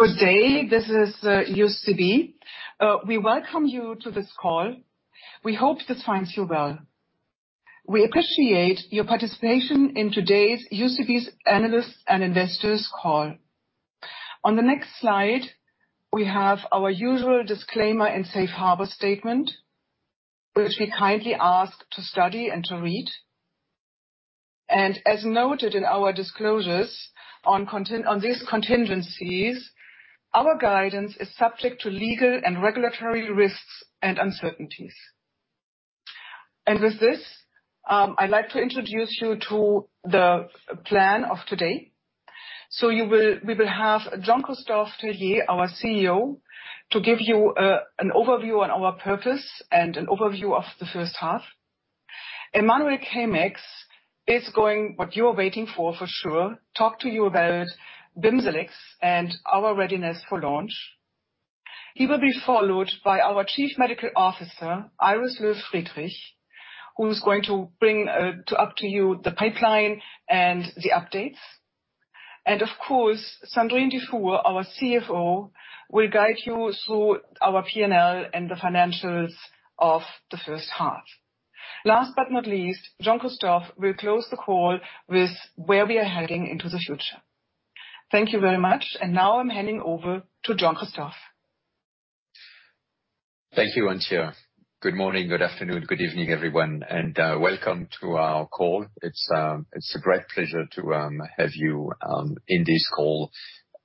Good day. This is UCB. We welcome you to this call. We hope this finds you well. We appreciate your participation in today's UCB Analyst and Investors Call. On the next slide, we have our usual disclaimer and safe harbor statement, which we kindly ask to study and to read. As noted in our disclosures on these contingencies, our guidance is subject to legal and regulatory risks and uncertainties. With this, I'd like to introduce you to the plan of today. We will have Jean-Christophe Tellier, our CEO, to give you an overview on our purpose and an overview of the first half. Emmanuel Caeymaex is going, what you are waiting for sure, talk to you about BIMZELX and our readiness for launch. He will be followed by our Chief Medical Officer, Iris Löw-Friedrich, who's going to bring up to you the pipeline and the updates. Of course, Sandrine Dufour, our CFO, will guide you through our P&L and the financials of the first half. Last but not least, Jean-Christophe will close the call with where we are heading into the future. Thank you very much. Now I'm handing over to Jean-Christophe. Thank you, Antje. Good morning, good afternoon, good evening, everyone, welcome to our call. It's a great pleasure to have you in this call.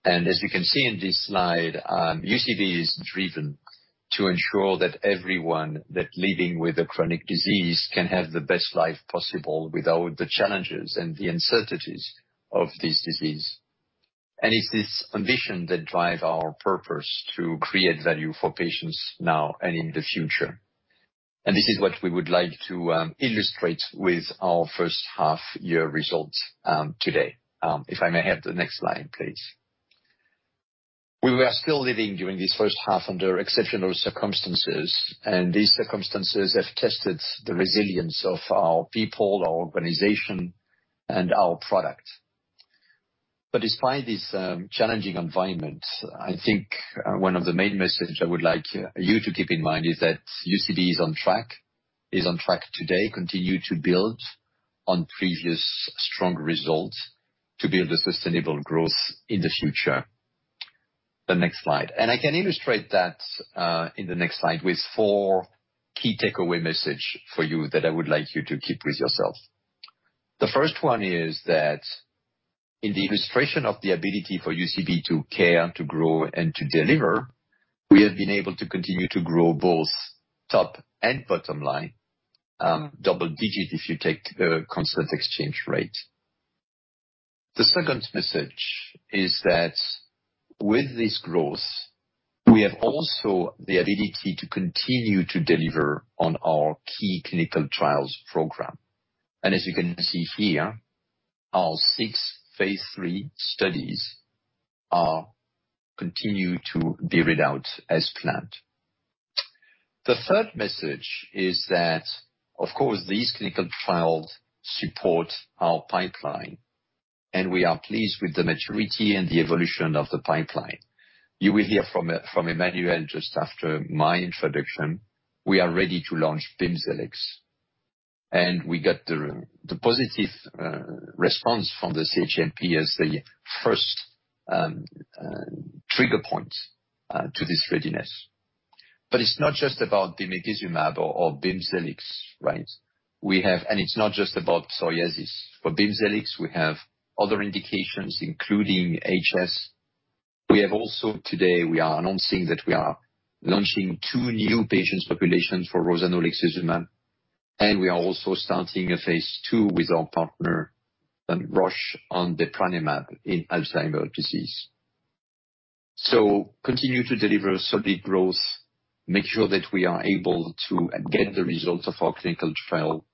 As you can see in this slide, UCB is driven to ensure that everyone that living with a chronic disease can have the best life possible without the challenges and the uncertainties of this disease. It's this ambition that drive our purpose to create value for patients now and in the future. This is what we would like to illustrate with our first half-year results today. If I may have the next slide, please. We were still living during this first half under exceptional circumstances, and these circumstances have tested the resilience of our people, our organization, and our product. Despite this challenging environment, I think one of the main messages I would like you to keep in mind is that UCB is on track today, continue to build on previous strong results to build a sustainable growth in the future. The next slide. I can illustrate that in the next slide with four key takeaway messages for you that I would like you to keep with yourselves. The first one is that in the illustration of the ability for UCB to care, to grow, and to deliver, we have been able to continue to grow both top and bottom line, double digit, if you take the constant exchange rate. The second message is that with this growth, we have also the ability to continue to deliver on our key clinical trials program. As you can see here, our six phase III studies continue to be read out as planned. The third message is that, of course, these clinical trials support our pipeline, and we are pleased with the maturity and the evolution of the pipeline. You will hear from Emmanuel just after my introduction. We are ready to launch BIMZELX, and we got the positive response from the CHMP as the first trigger point to this readiness. It's not just about bimekizumab or BIMZELX, right? It's not just about psoriasis. For BIMZELX, we have other indications, including HS. We have also today, we are announcing that we are launching two new patients populations for rozanolixizumab, and we are also starting a phase II with our partner at Roche on donanemab in Alzheimer disease. Continue to deliver solid growth, make sure that we are able to get the results of our clinical trial,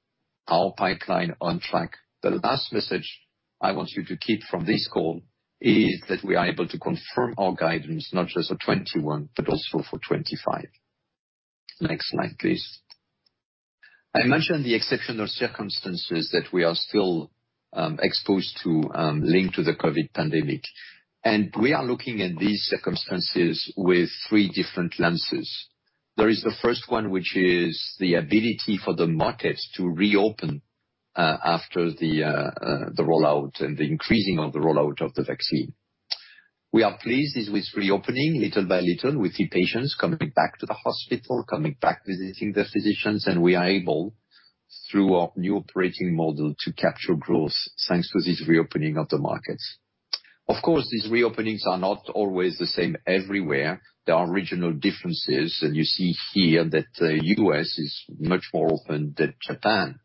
our pipeline on track. The last message I want you to keep from this call is that we are able to confirm our guidance not just for 2021, but also for 2025. Next slide, please. I mentioned the exceptional circumstances that we are still exposed to linked to the COVID pandemic, and we are looking at these circumstances with three different lenses. There is the first one, which is the ability for the markets to reopen after the rollout and the increasing of the rollout of the vaccine. We are pleased with reopening little by little. We see patients coming back to the hospital, coming back visiting their physicians, and we are able, through our new operating model, to capture growth thanks to this reopening of the markets. Of course, these reopenings are not always the same everywhere. There are regional differences. You see here that U.S. is much more open than Japan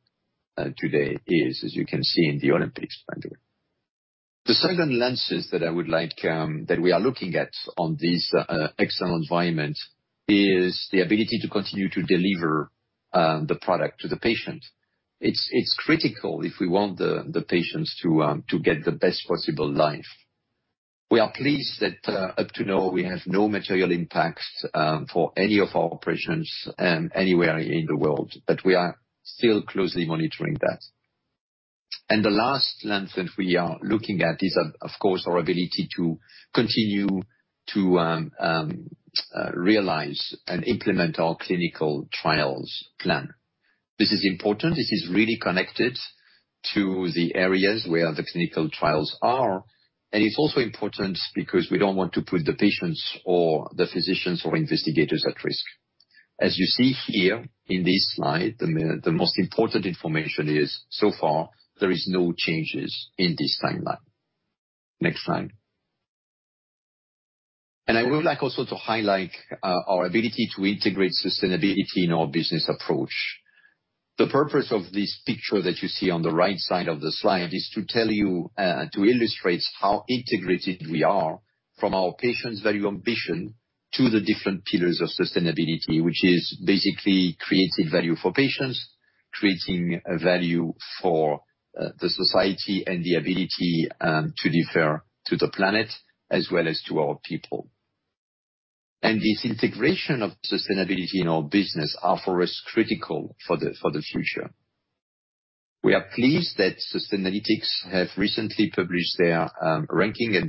today is, as you can see in the Olympics, by the way. The second lens that we are looking at on this external environment is the ability to continue to deliver the product to the patient. It's critical if we want the patients to get the best possible life. We are pleased that up to now, we have no material impacts for any of our operations anywhere in the world. We are still closely monitoring that. The last lens that we are looking at is, of course, our ability to continue to realize and implement our clinical trials plan. This is important. It is really connected to the areas where the clinical trials are. It's also important because we don't want to put the patients or the physicians or investigators at risk. As you see here in this slide, the most important information is, so far, there is no changes in this timeline. Next slide. I would like also to highlight our ability to integrate sustainability in our business approach. The purpose of this picture that you see on the right side of the slide is to tell you, to illustrate how integrated we are from our patients value ambition to the different pillars of sustainability, which is basically creating value for patients, creating value for the society, and the ability to defer to the planet as well as to our people. This integration of sustainability in our business are for us, critical for the future. We are pleased that Sustainalytics have recently published their ranking and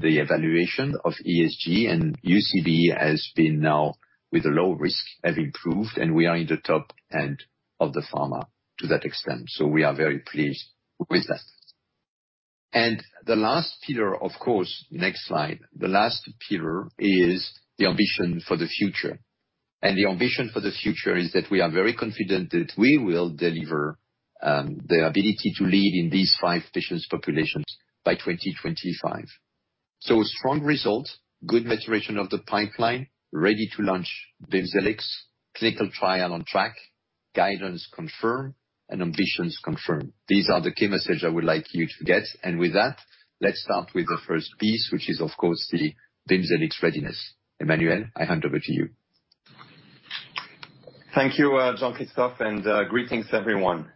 the evaluation of ESG. UCB has been now with a low risk, have improved, and we are in the top end of the pharma to that extent. We are very pleased with that. The last pillar, of course, next slide, is the ambition for the future. The ambition for the future is that we are very confident that we will deliver the ability to lead in these five patients populations by 2025. A strong result, good maturation of the pipeline, ready to launch BIMZELX, clinical trial on track, guidance confirmed, and ambitions confirmed. These are the key message I would like you to get. With that, let's start with the first piece, which is, of course, the BIMZELX readiness. Emmanuel, I hand over to you. Thank you, Jean-Christophe, greetings, everyone.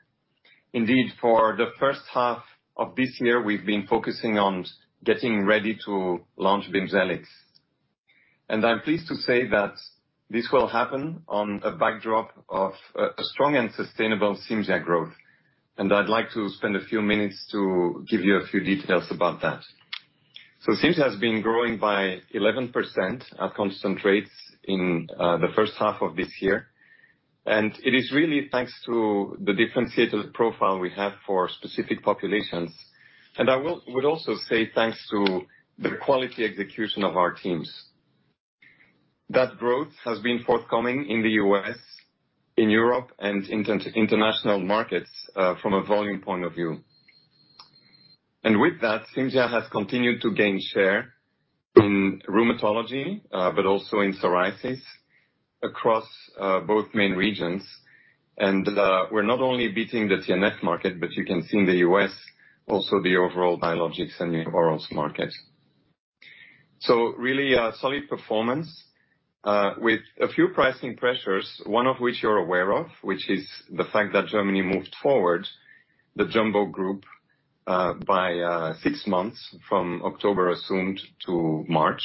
Indeed, for the first half of this year, we've been focusing on getting ready to launch BIMZELX. I'm pleased to say that this will happen on a backdrop of a strong and sustainable Cimzia growth. I'd like to spend a few minutes to give you a few details about that. Cimzia has been growing by 11% at constant rates in the first half of this year. It is really thanks to the differentiated profile we have for specific populations. I would also say thanks to the quality execution of our teams. That growth has been forthcoming in the U.S., in Europe, and international markets from a volume point of view. With that, Cimzia has continued to gain share in rheumatology, but also in psoriasis across both main regions. We're not only beating the TNF market, but you can see in the U.S. also the overall biologics and orals market. Really a solid performance with a few pricing pressures. One of which you're aware of, which is the fact that Germany moved forward the jumbo group by six months from October assumed to March.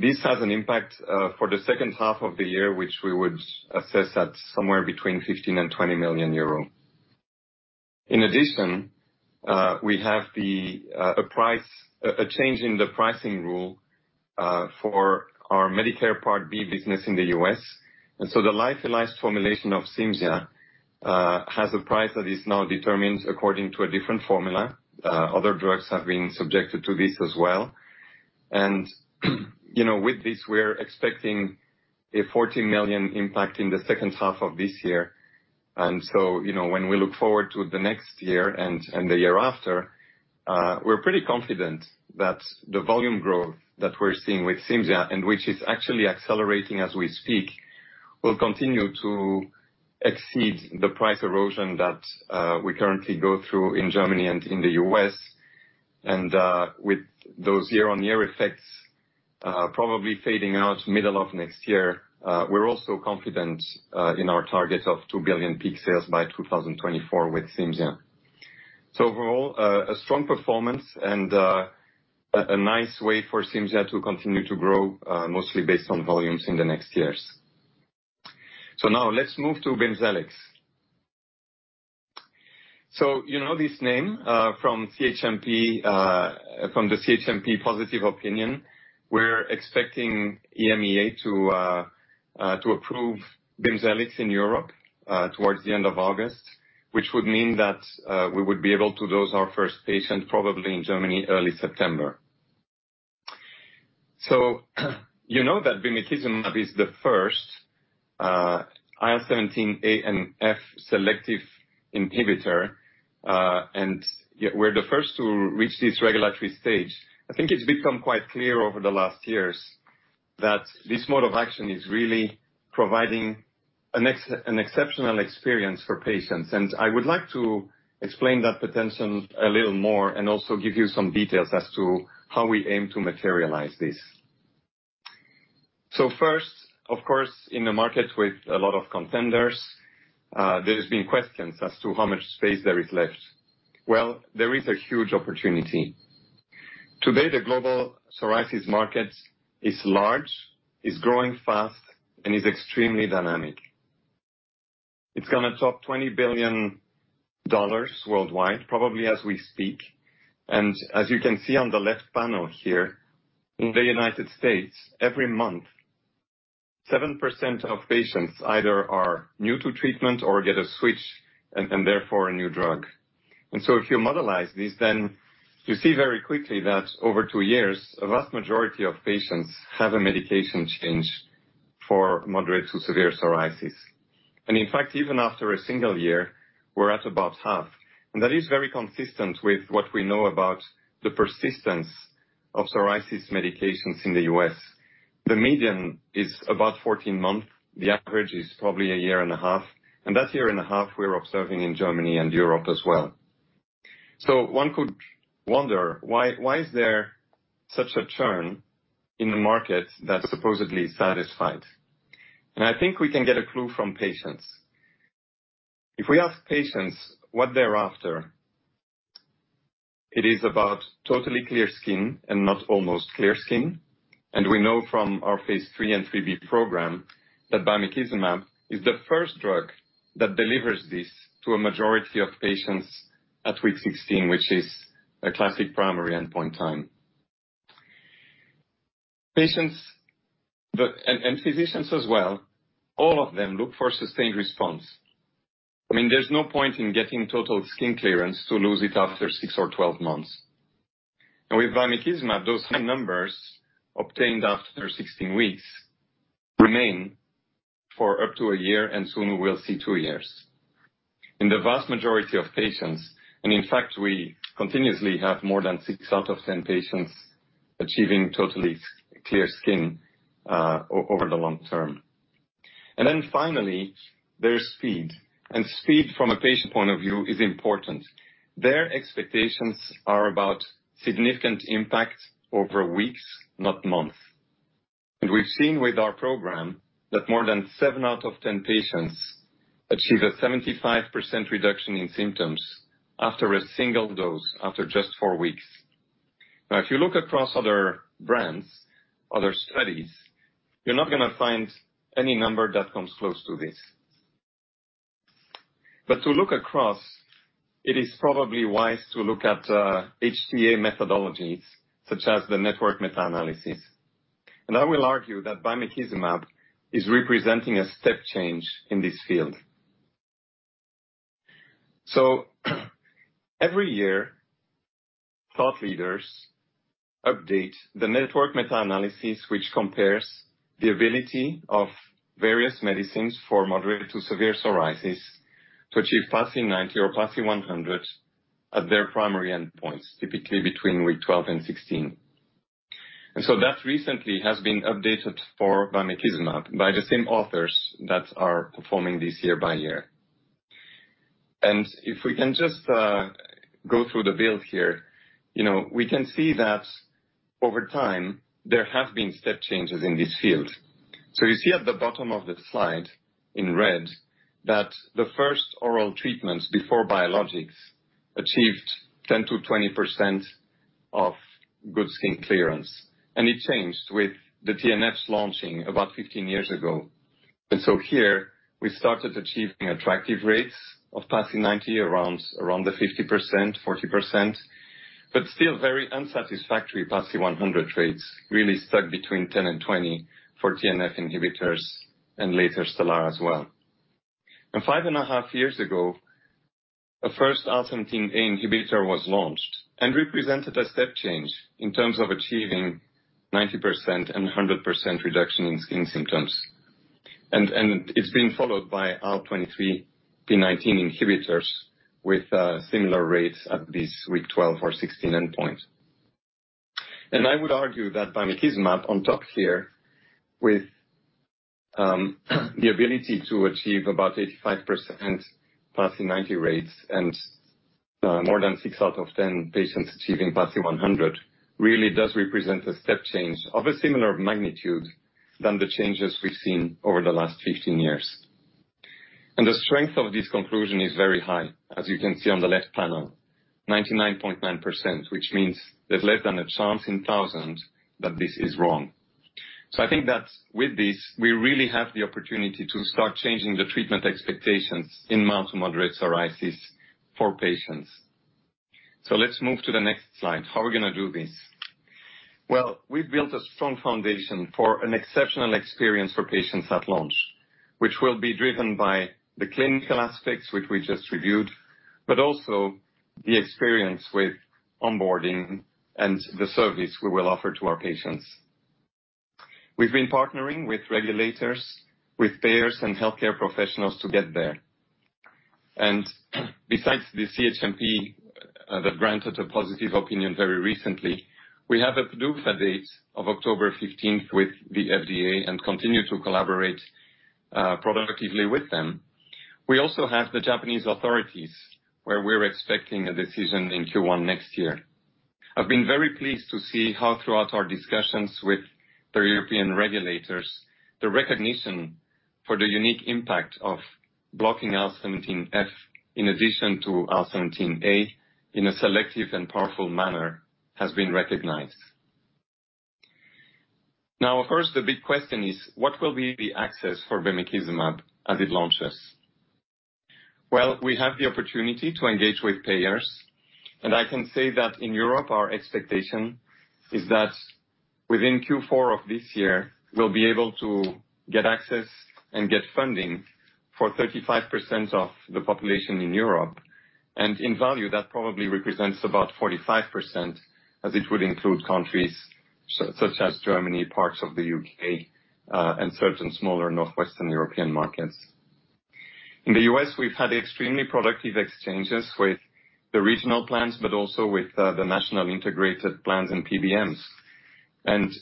This has an impact for the second half of the year, which we would assess at somewhere between 15 million and 20 million euro. In addition, we have a change in the pricing rule for our Medicare Part B business in the U.S. The lyophilized formulation of Cimzia has a price that is now determined according to a different formula. Other drugs have been subjected to this as well. With this, we're expecting a 14 million impact in the second half of this year. When we look forward to the next year and the year after, we're pretty confident that the volume growth that we're seeing with Cimzia, and which is actually accelerating as we speak, will continue to exceed the price erosion that we currently go through in Germany and in the U.S. With those year-on-year effects probably fading out middle of next year, we're also confident in our target of 2 billion peak sales by 2024 with Cimzia. Overall, a strong performance and a nice way for Cimzia to continue to grow, mostly based on volumes in the next years. Let's move to BIMZELX. You know this name from the CHMP positive opinion. We're expecting EMEA to approve BIMZELX in Europe towards the end of August, which would mean that we would be able to dose our first patient probably in Germany early September. You know that bimekizumab is the first IL-17A and F selective inhibitor, and we're the first to reach this regulatory stage. I think it's become quite clear over the last years that this mode of action is really providing an exceptional experience for patients, and I would like to explain that potential a little more and also give you some details as to how we aim to materialize this. First, of course, in a market with a lot of contenders, there's been questions as to how much space there is left. Well, there is a huge opportunity. Today, the global psoriasis market is large, is growing fast, and is extremely dynamic. It's going to top EUR 20 billion worldwide, probably as we speak. As you can see on the left panel here, in the U.S., every month, 7% of patients either are new to treatment or get a switch, and therefore, a new drug. If you modelize this, then you see very quickly that over two years, a vast majority of patients have a medication change for moderate to severe psoriasis. In fact, even after a one year, we're at about half. That is very consistent with what we know about the persistence of psoriasis medications in the U.S. The median is about 14 months. The average is probably a year and a 1/2. That year and a 1/2, we're observing in Germany and Europe as well. One could wonder, why is there such a churn in the market that's supposedly satisfied? I think we can get a clue from patients. If we ask patients what they're after, it is about totally clear skin and not almost clear skin. We know from our phase III and III-B program that bimekizumab is the first drug that delivers this to a majority of patients at week 16, which is a classic primary endpoint time. Patients, physicians as well, all of them look for a sustained response. There's no point in getting total skin clearance to lose it after 6 or 12 months. With bimekizumab, those high numbers obtained after 16 weeks remain for up to a year, and soon we'll see two years. In the vast majority of patients, in fact, we continuously have more than six out of 10 patients achieving totally clear skin over the long term. Finally, there's speed. Speed from a patient point of view is important. Their expectations are about significant impact over weeks, not months. We've seen with our program that more than 7 out of 10 patients achieve a 75% reduction in symptoms after a single dose, after just four weeks. If you look across other brands, other studies, you're not going to find any number that comes close to this. To look across, it is probably wise to look at HTA methodologies such as the network meta-analysis. I will argue that bimekizumab is representing a step change in this field. Every year, thought leaders update the network meta-analysis, which compares the ability of various medicines for moderate to severe psoriasis to achieve PASI 90 or PASI 100 at their primary endpoints, typically between week 12 and 16. That recently has been updated for bimekizumab by the same authors that are performing this year by year. If we can just go through the build here, we can see that over time, there have been step changes in this field. You see at the bottom of the slide in red that the first oral treatments before biologics achieved 10% to 20% of good skin clearance, and it changed with the TNFs launching about 15 years ago. Here we started achieving attractive rates of PASI 90 around the 50%, 40%, but still very unsatisfactory PASI 100 rates, really stuck between 10% and 20% for TNF inhibitors and later Stelara as well. Five and a half years ago, the first IL-17A inhibitor was launched and represented a step change in terms of achieving 90% and 100% reduction in skin symptoms. It's been followed by IL-23, P19 inhibitors with similar rates at this week 12 or 16 endpoint. I would argue that bimekizumab on top here with the ability to achieve about 85% PASI 90 rates and more than 6 out of 10 patients achieving PASI 100 really does represent a step change of a similar magnitude than the changes we've seen over the last 15 years. The strength of this conclusion is very high. As you can see on the left panel, 99.9%, which means there's less than a chance in thousands that this is wrong. I think that with this, we really have the opportunity to start changing the treatment expectations in mild to moderate psoriasis for patients. Let's move to the next slide. How are we going to do this? Well, we've built a strong foundation for an exceptional experience for patients at launch, which will be driven by the clinical aspects which we just reviewed, but also the experience with onboarding and the service we will offer to our patients. We've been partnering with regulators, with payers, and healthcare professionals to get there. Besides the CHMP that granted a positive opinion very recently, we have a PDUFA date of October 15th with the FDA and continue to collaborate productively with them. We also have the Japanese authorities, where we're expecting a decision in Q1 next year. I've been very pleased to see how throughout our discussions with the European regulators, the recognition for the unique impact of blocking IL-17F in addition to IL-17A in a selective and powerful manner has been recognized. Now, of course, the big question is, what will be the access for bimekizumab as it launches? Well, we have the opportunity to engage with payers, and I can say that in Europe, our expectation is that within Q4 of this year, we'll be able to get access and get funding for 35% of the population in Europe. In value, that probably represents about 45%, as it would include countries such as Germany, parts of the U.K., and certain smaller Northwestern European markets. In the U.S., we've had extremely productive exchanges with the regional plans, but also with the national integrated plans and PBMs.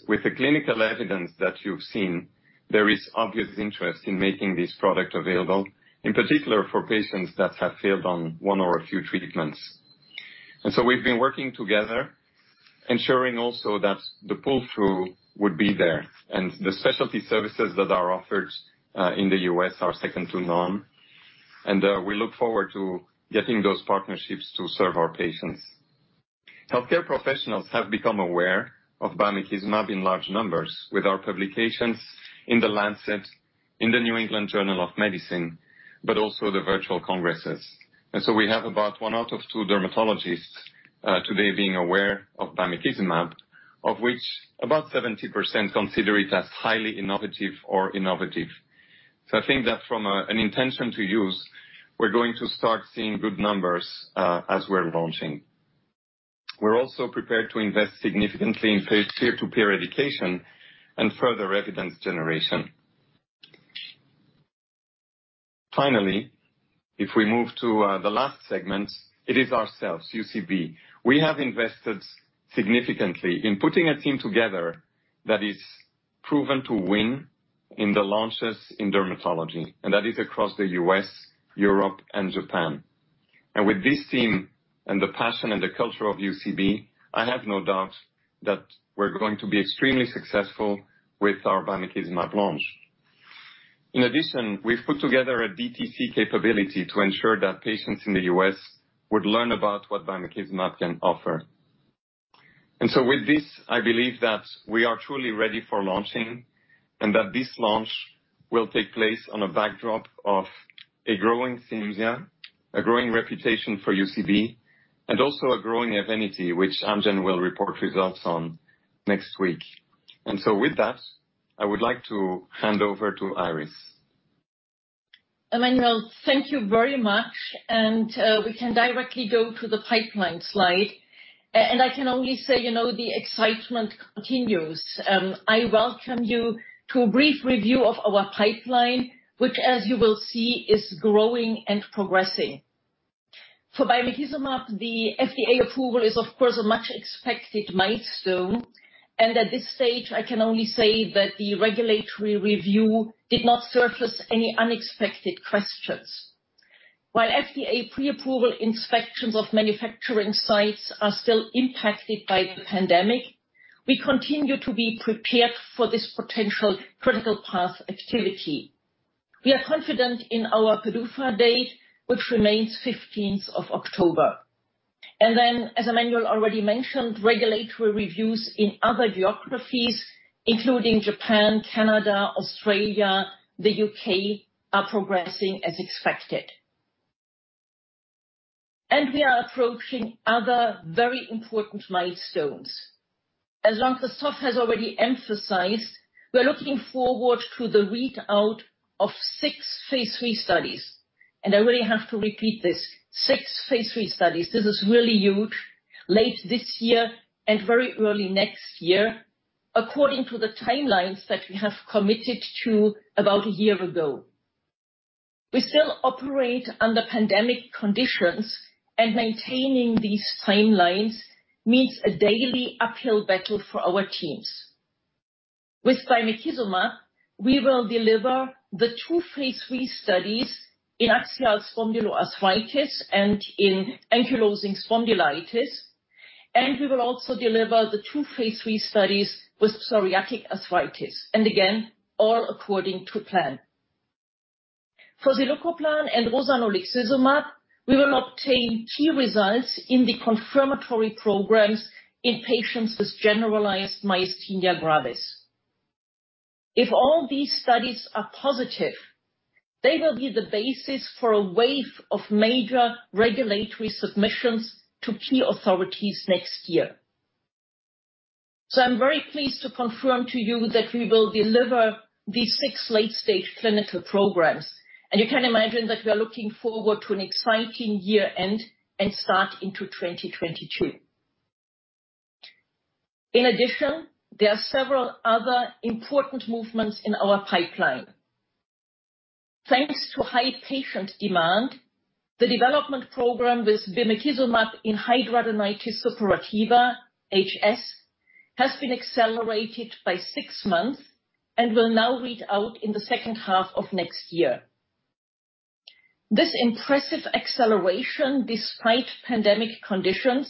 With the clinical evidence that you've seen, there is obvious interest in making this product available, in particular for patients that have failed on one or a few treatments. We've been working together, ensuring also that the pull-through would be there. The specialty services that are offered in the U.S. are second to none, and we look forward to getting those partnerships to serve our patients. Healthcare professionals have become aware of bimekizumab in large numbers with our publications in The Lancet, in the New England Journal of Medicine, also the virtual congresses. We have about one out of two dermatologists today being aware of bimekizumab, of which about 70% consider it as highly innovative or innovative. I think that from an intention to use, we're going to start seeing good numbers as we're launching. We're also prepared to invest significantly in peer-to-peer education and further evidence generation. Finally, if we move to the last segment, it is ourselves, UCB. We have invested significantly in putting a team together that is proven to win in the launches in dermatology, and that is across the U.S., Europe, and Japan. With this team and the passion and the culture of UCB, I have no doubt that we're going to be extremely successful with our bimekizumab launch. In addition, we've put together a DTC capability to ensure that patients in the U.S. would learn about what bimekizumab can offer. With this, I believe that we are truly ready for launching and that this launch will take place on a backdrop of a growing Cimzia, a growing reputation for UCB, and also a growing Evenity, which Amgen will report results on next week. With that, I would like to hand over to Iris. Emmanuel, thank you very much. We can directly go to the pipeline slide. I can only say, the excitement continues. I welcome you to a brief review of our pipeline, which as you will see is growing and progressing. For bimekizumab, the FDA approval is of course a much expected milestone. At this stage, I can only say that the regulatory review did not surface any unexpected questions. While FDA pre-approval inspections of manufacturing sites are still impacted by the pandemic, we continue to be prepared for this potential critical path activity. We are confident in our PDUFA date, which remains 15th of October. As Emmanuel already mentioned, regulatory reviews in other geographies, including Japan, Canada, Australia, the U.K., are progressing as expected. We are approaching other very important milestones. As Lancaster has already emphasized, we are looking forward to the readout of six phase III studies. I really have to repeat this, six phase III studies. This is really huge. Late this year and very early next year, according to the timelines that we have committed to about one year ago. We still operate under pandemic conditions, and maintaining these timelines means a daily uphill battle for our teams. With bimekizumab, we will deliver the two phase III studies in axial spondyloarthritis and in ankylosing spondylitis, and we will also deliver the two phase III studies with psoriatic arthritis. Again, all according to plan. For zilucoplan and rozanolixizumab, we will obtain key results in the confirmatory programs in patients with generalized myasthenia gravis. If all these studies are positive, they will be the basis for a wave of major regulatory submissions to key authorities next year. I'm very pleased to confirm to you that we will deliver these six late-stage clinical programs. You can imagine that we are looking forward to an exciting year-end and start into 2022. In addition, there are several other important movements in our pipeline. Thanks to high patient demand, the development program with bimekizumab in hidradenitis suppurativa, HS, has been accelerated by six months and will now read out in the second half of next year. This impressive acceleration, despite pandemic conditions,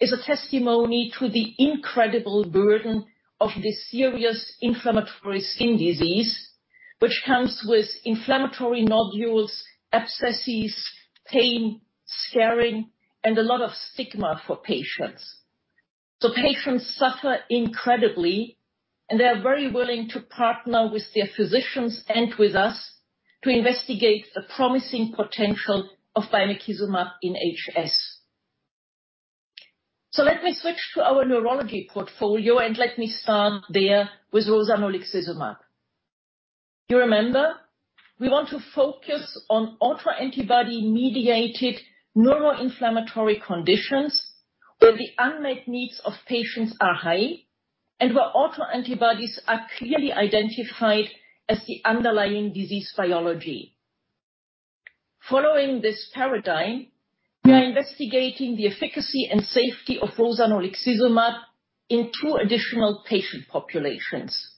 is a testimony to the incredible burden of this serious inflammatory skin disease, which comes with inflammatory nodules, abscesses, pain, scarring, and a lot of stigma for patients. Patients suffer incredibly, and they are very willing to partner with their physicians and with us to investigate the promising potential of bimekizumab in HS. Let me switch to our neurology portfolio and let me start there with rozanolixizumab. You remember, we want to focus on autoantibody-mediated neuroinflammatory conditions where the unmet needs of patients are high and where autoantibodies are clearly identified as the underlying disease biology. Following this paradigm, we are investigating the efficacy and safety of rozanolixizumab in two additional patient populations.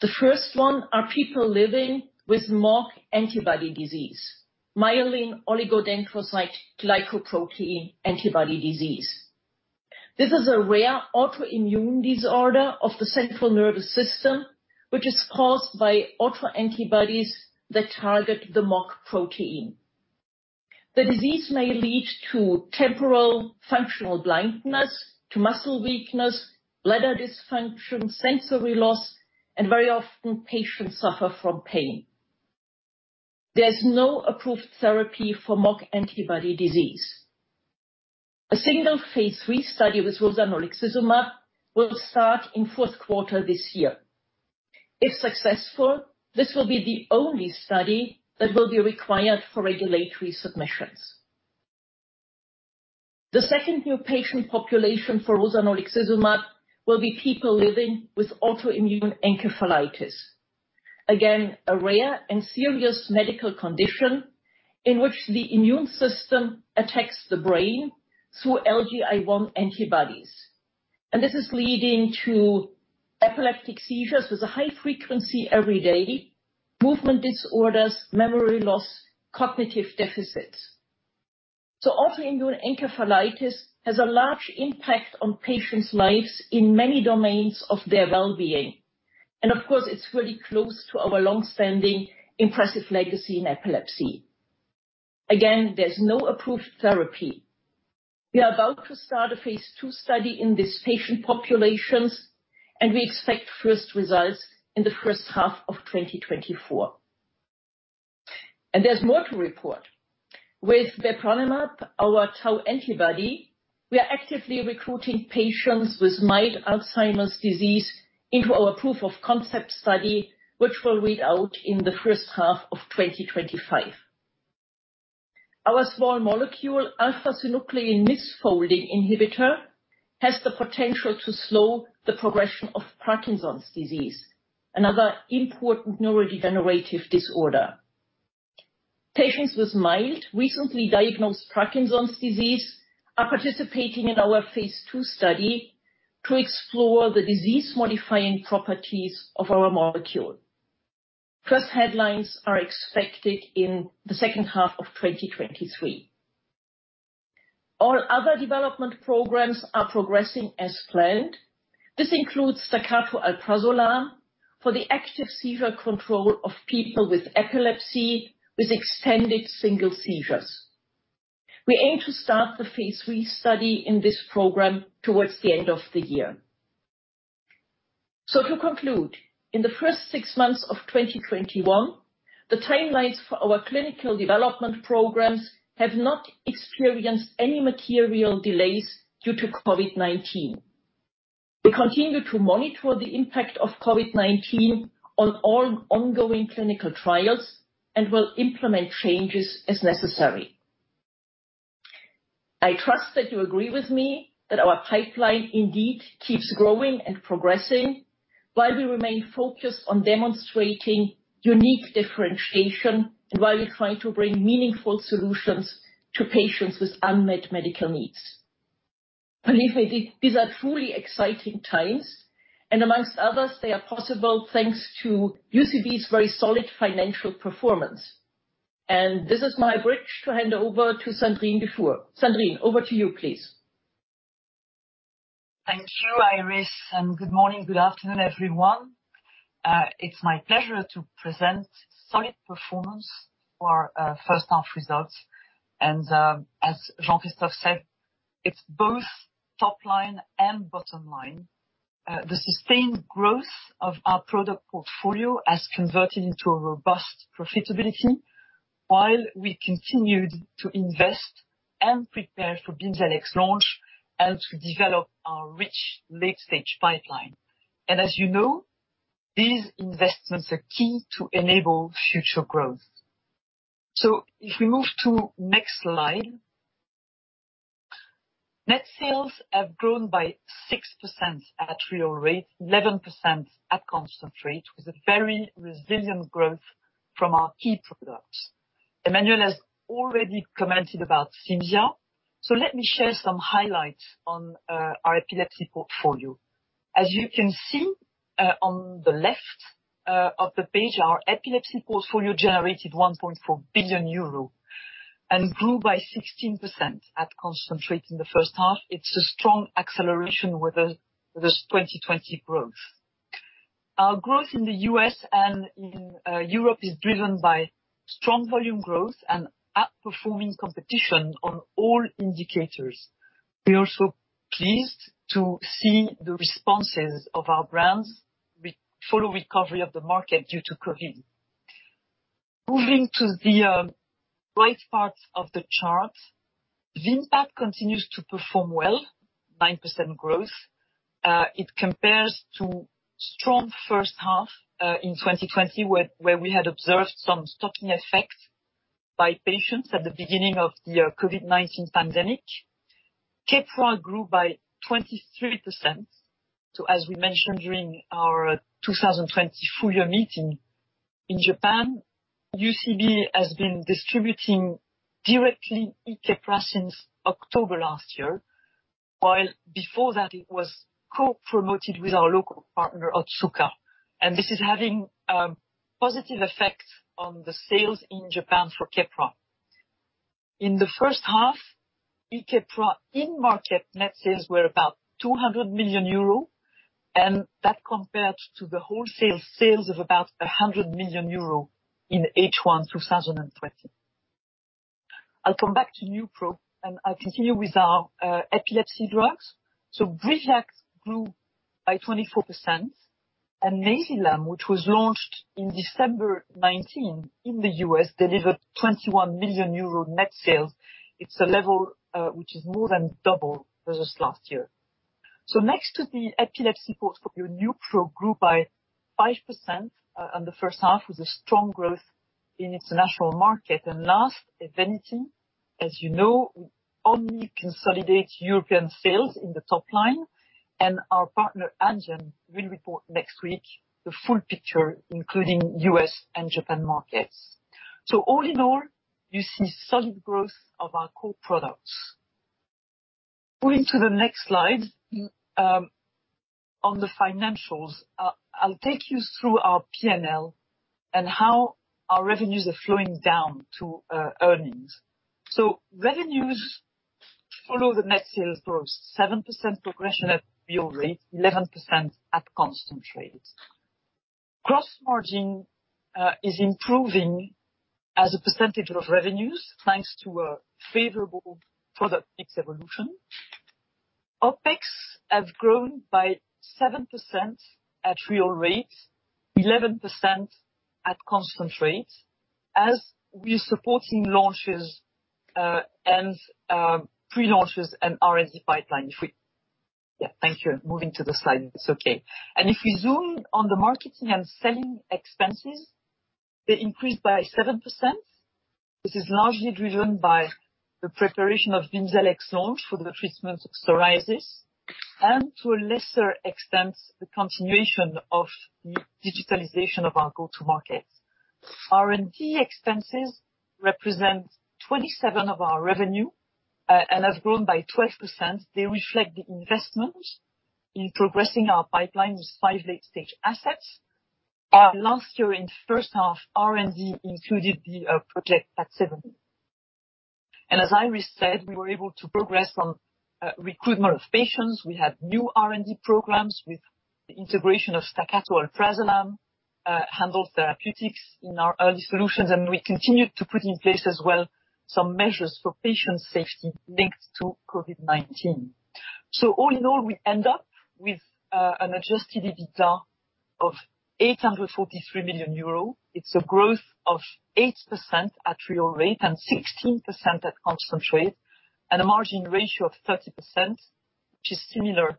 The first one are people living with MOG antibody disease, myelin oligodendrocyte glycoprotein antibody disease. This is a rare autoimmune disorder of the central nervous system, which is caused by autoantibodies that target the MOG protein. The disease may lead to temporal functional blindness, to muscle weakness, bladder dysfunction, sensory loss, and very often patients suffer from pain. There's no approved therapy for MOG antibody disease. A single phase III study with rozanolixizumab will start in fourth quarter this year. If successful, this will be the only study that will be required for regulatory submissions. The second new patient population for rozanolixizumab will be people living with autoimmune encephalitis. A rare and serious medical condition in which the immune system attacks the brain through LGI1 antibodies. This is leading to epileptic seizures with a high frequency every day, movement disorders, memory loss, cognitive deficits. Autoimmune encephalitis has a large impact on patients' lives in many domains of their wellbeing, and of course, it's really close to our longstanding impressive legacy in epilepsy. There's no approved therapy. We are about to start a phase II study in these patient populations, and we expect first results in the first half of 2024. There's more to report. With bepranemab, our tau antibody, we are actively recruiting patients with mild Alzheimer's disease into our proof of concept study, which will read out in the first half of 2025. Our small molecule alpha-synuclein misfolding inhibitor has the potential to slow the progression of Parkinson's disease, another important neurodegenerative disorder. Patients with mild, recently diagnosed Parkinson's disease are participating in our Phase II study to explore the disease-modifying properties of our molecule. First headlines are expected in the second half of 2023. All other development programs are progressing as planned. This includes Staccato alprazolam for the active seizure control of people with epilepsy, with extended single seizures. We aim to start the Phase III study in this program towards the end of the year. To conclude, in the first six months of 2021, the timelines for our clinical development programs have not experienced any material delays due to COVID-19. We continue to monitor the impact of COVID-19 on all ongoing clinical trials and will implement changes as necessary. I trust that you agree with me that our pipeline indeed keeps growing and progressing while we remain focused on demonstrating unique differentiation and while we try to bring meaningful solutions to patients with unmet medical needs. Believe me, these are truly exciting times, and amongst others, they are possible thanks to UCB's very solid financial performance. This is my bridge to hand over to Sandrine Dufour. Sandrine, over to you, please. Thank you, Iris. Good morning, good afternoon, everyone. It's my pleasure to present solid performance for our first half results. As Jean-Christophe said, it's both top line and bottom line. The sustained growth of our product portfolio has converted into a robust profitability. While we continued to invest and prepare for BIMZELX launch and to develop our rich late-stage pipeline. As you know, these investments are key to enable future growth. If we move to next slide. Net sales have grown by 6% at real rate, 11% at constant rate, with a very resilient growth from our key products. Emmanuel has already commented about Cimzia. Let me share some highlights on our epilepsy portfolio. As you can see on the left of the page, our epilepsy portfolio generated 1.4 billion euro and grew by 16% at constant rate in the first half. It's a strong acceleration with this 2020 growth. Our growth in the U.S. and in Europe is driven by strong volume growth and outperforming competition on all indicators. We're also pleased to see the responses of our brands with full recovery of the market due to COVID. Moving to the right part of the chart, Vimpat continues to perform well, 9% growth. It compares to strong first half in 2020, where we had observed some stocking effects by patients at the beginning of the COVID-19 pandemic. Keppra grew by 23%. As we mentioned during our 2020 full-year meeting, in Japan, UCB has been distributing directly eKeppra since October last year. While before that it was co-promoted with our local partner, Otsuka. This is having a positive effect on the sales in Japan for Keppra. In the first half, E Keppra in-market net sales were about 200 million euro. That compared to the wholesale sales of about 100 million euro in H1 2020. I'll come back to Neupro. I'll continue with our epilepsy drugs. BRIVIACT grew by 24%. NAYZILAM, which was launched in December 2019 in the U.S., delivered 21 million euro net sales. It's a level which is more than double versus last year. Next to the epilepsy portfolio, Neupro grew by 5% on the first half with a strong growth in its national market. Last, Evenity, as you know, only consolidates European sales in the top line. Our partner Amgen will report next week the full picture, including U.S. and Japan markets. All in all, you see solid growth of our core products. Going to the next slide, on the financials, I will take you through our P&L and how our revenues are flowing down to earnings. Revenues follow the net sales growth, 7% progression at real rate, 11% at constant rate. Gross margin is improving as a percentage of revenues, thanks to a favorable product mix evolution. OPEX has grown by 7% at real rate, 11% at constant rate. As we are supporting launches and pre-launches and R&D pipeline. Thank you. Moving to the slide. It is okay. If we zoom on the marketing and selling expenses, they increased by 7%. This is largely driven by the preparation of BIMZELX launch for the treatment of psoriasis, and to a lesser extent, the continuation of the digitalization of our go-to markets. R&D expenses represent 27% of our revenue, and has grown by 12%. They reflect the investment in progressing our pipeline with five late-stage assets. Last year in first half, R&D included the Project at Seven. As Iris said, we were able to progress from recruitment of patients. We had new R&D programs with the integration of Staccato alprazolam, Engage Therapeutics in our early solutions, and we continued to put in place as well some measures for patient safety linked to COVID-19. All in all, we end up with an adjusted EBITDA of 843 million euro. It's a growth of 8% at real rate and 16% at constant rate, and a margin ratio of 30%, which is similar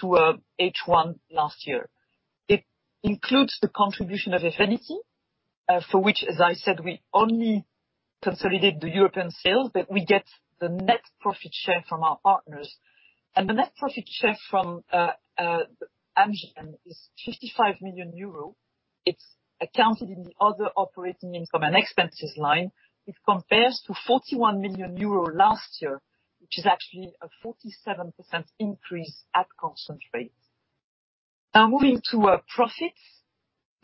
to H1 last year. It includes the contribution of Evenity, for which, as I said, we only consolidate the European sales, but we get the net profit share from our partners. The net profit share from Amgen is 55 million euro. It's accounted in the other operating income and expenses line, which compares to 41 million euro last year, which is actually a 47% increase at constant rate. Moving to our profits.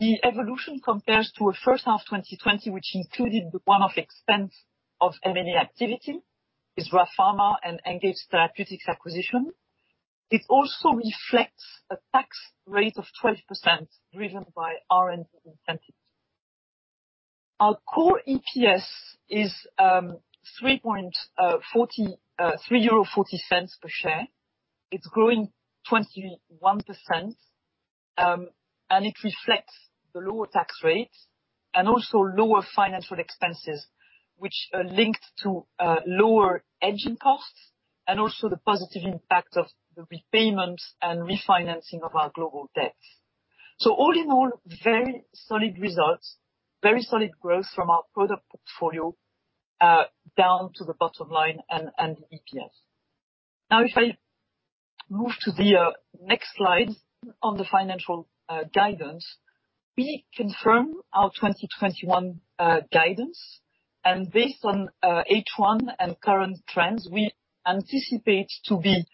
The evolution compares to a first half 2020, which included the one-off expense of M&A activity, Israel Pharma and Engage Therapeutics acquisition. It also reflects a tax rate of 12%, driven by R&D incentives. Our core EPS is 3.40 euro per share. It's growing 21%. It reflects the lower tax rate and also lower financial expenses, which are linked to lower hedging costs and also the positive impact of the repayment and refinancing of our global debt. All in all, very solid results, very solid growth from our product portfolio, down to the bottom line and EPS. Now if I move to the next slide on the financial guidance. We confirm our 2021 guidance, and based on H1 and current trends, we anticipate to be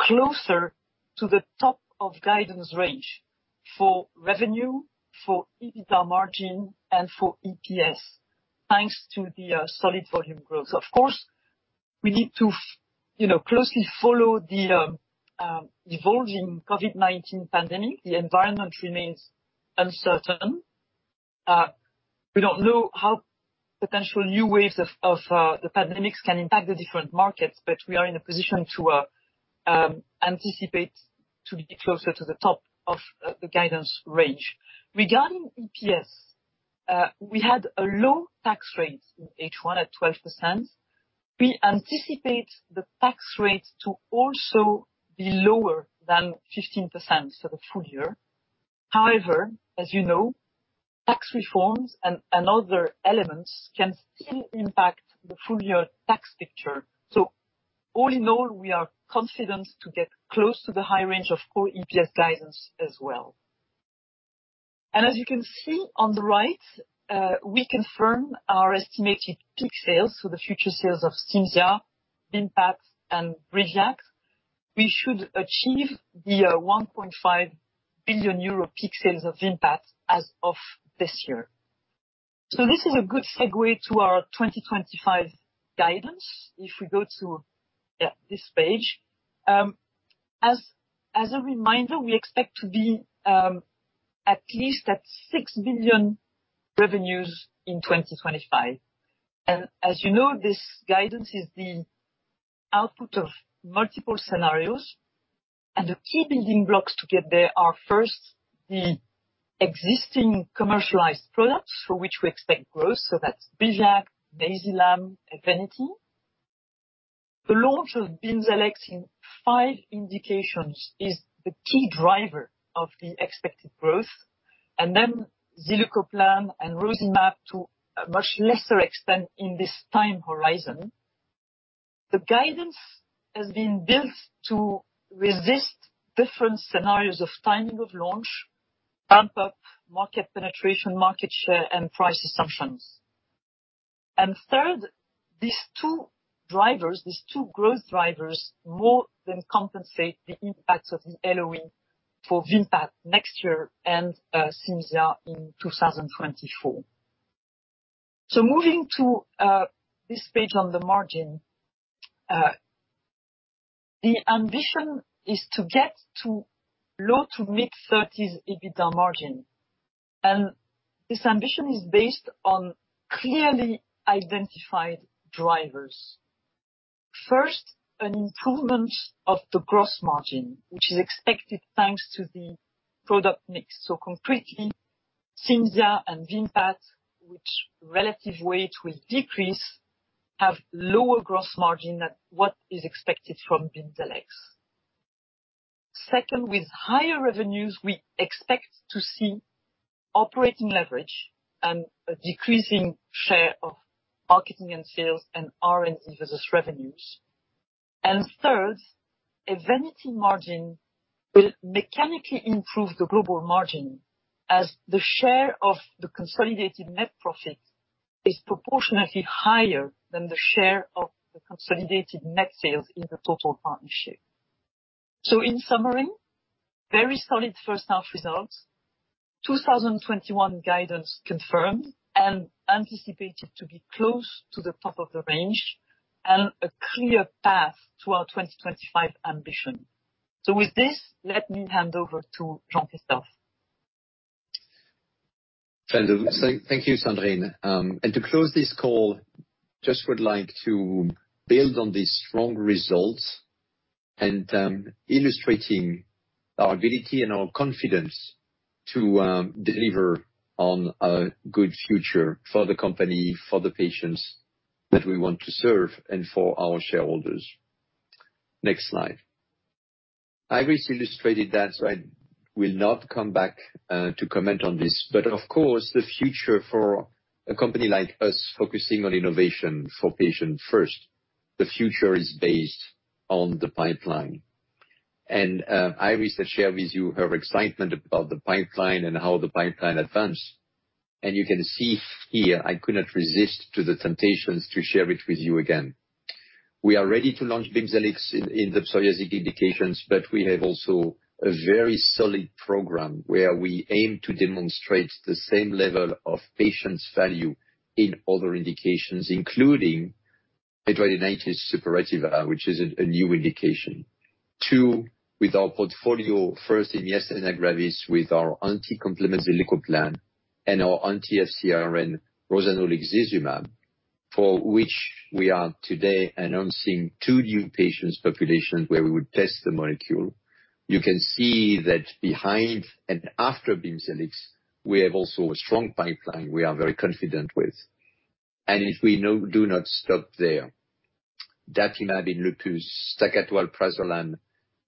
closer to the top of guidance range for revenue, for EBITDA margin, and for EPS, thanks to the solid volume growth. Of course, we need to closely follow the evolving COVID-19 pandemic. The environment remains uncertain. We don't know how potential new waves of the pandemic can impact the different markets, but we are in a position to anticipate to be closer to the top of the guidance range. Regarding EPS, we had a low tax rate in H1 at 12%. We anticipate the tax rate to also be lower than 15% for the full year. However, as you know, tax reforms and other elements can still impact the full-year tax picture. All in all, we are confident to get close to the high range of core EPS guidance as well. As you can see on the right, we confirm our estimated peak sales. The future sales of Cimzia, Vimpat, and Bydureon. We should achieve the 1.5 billion euro peak sales of Vimpat as of this year. This is a good segue to our 2025 guidance. If we go to this page. As a reminder, we expect to be at least at 6 billion revenues in 2025. As you know, this guidance is the output of multiple scenarios, and the key building blocks to get there are first, the existing commercialized products for which we expect growth. That's Bydureon, Basaglar, Evenity. The launch of BIMZELX in five indications is the key driver of the expected growth, then zilucoplan and rozanolixizumab to a much lesser extent in this time horizon. The guidance has been built to resist different scenarios of timing of launch, ramp-up, market penetration, market share, and price assumptions. Third, these two drivers, these two growth drivers, more than compensate the impact of the LOE for Vimpat next year and Cimzia in 2024. Moving to this page on the margin. The ambition is to get to low to mid-30s EBITDA margin. This ambition is based on clearly identified drivers. First, an improvement of the gross margin, which is expected thanks to the product mix. Concretely, Cimzia and Vimpat, which relative weight will decrease, have lower gross margin than what is expected from BIMZELX. Second, with higher revenues, we expect to see operating leverage and a decreasing share of marketing and sales and R&D versus revenues. Third, Evenity margin will mechanically improve the global margin as the share of the consolidated net profit is proportionately higher than the share of the consolidated net sales in the total partnership. In summary, very solid first-half results, 2021 guidance confirmed and anticipated to be close to the top of the range, and a clear path to our 2025 ambition. With this, let me hand over to Jean-Christophe. Thank you, Sandrine. To close this call, I just would like to build on these strong results and illustrating our ability and our confidence to deliver on a good future for the company, for the patients that we want to serve, and for our shareholders. Next slide. Iris illustrated that. I will not come back to comment on this. Of course, the future for a company like us focusing on innovation for patient first, the future is based on the pipeline. Iris has shared with you her excitement about the pipeline and how the pipeline advance. You can see here, I could not resist to the temptations to share it with you again. We are ready to launch BIMZELX in the psoriatic indications. We have also a very solid program where we aim to demonstrate the same level of patients value in other indications, including rheumatoid arthritis, hidradenitis suppurativa, which is a new indication. Two, with our portfolio first in myasthenia gravis with our anti-complement zilucoplan and our anti-FcRn rozanolixizumab, for which we are today announcing two new patients populations where we would test the molecule. You can see that behind and after BIMZELX, we have also a strong pipeline we are very confident with. We do not stop there. Dapirolizumab in lupus, Staccato alprazolam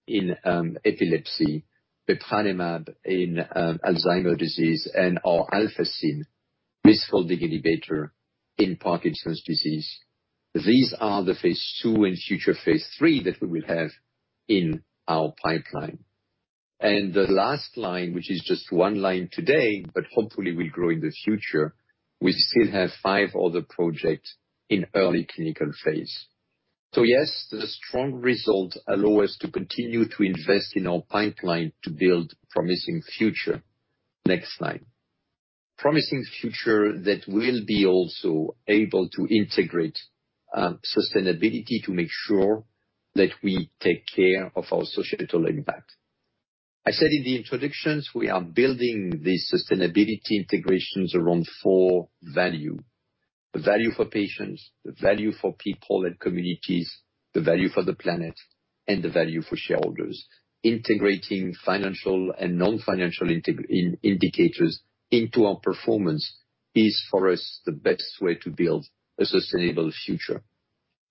in epilepsy, bepranemab in Alzheimer's disease and our alpha-synuclein inhibitor in Parkinson's disease. These are the phase II and future phase III that we will have in our pipeline. The last line, which is just one line today, but hopefully will grow in the future, we still have five other projects in early clinical phase. Yes, the strong result allow us to continue to invest in our pipeline to build promising future. Next slide. Promising future that will be also able to integrate sustainability to make sure that we take care of our societal impact. I said in the introductions, we are building the sustainability integrations around four value. The value for patients, the value for people and communities, the value for the planet, and the value for shareholders. Integrating financial and non-financial indicators into our performance is, for us, the best way to build a sustainable future.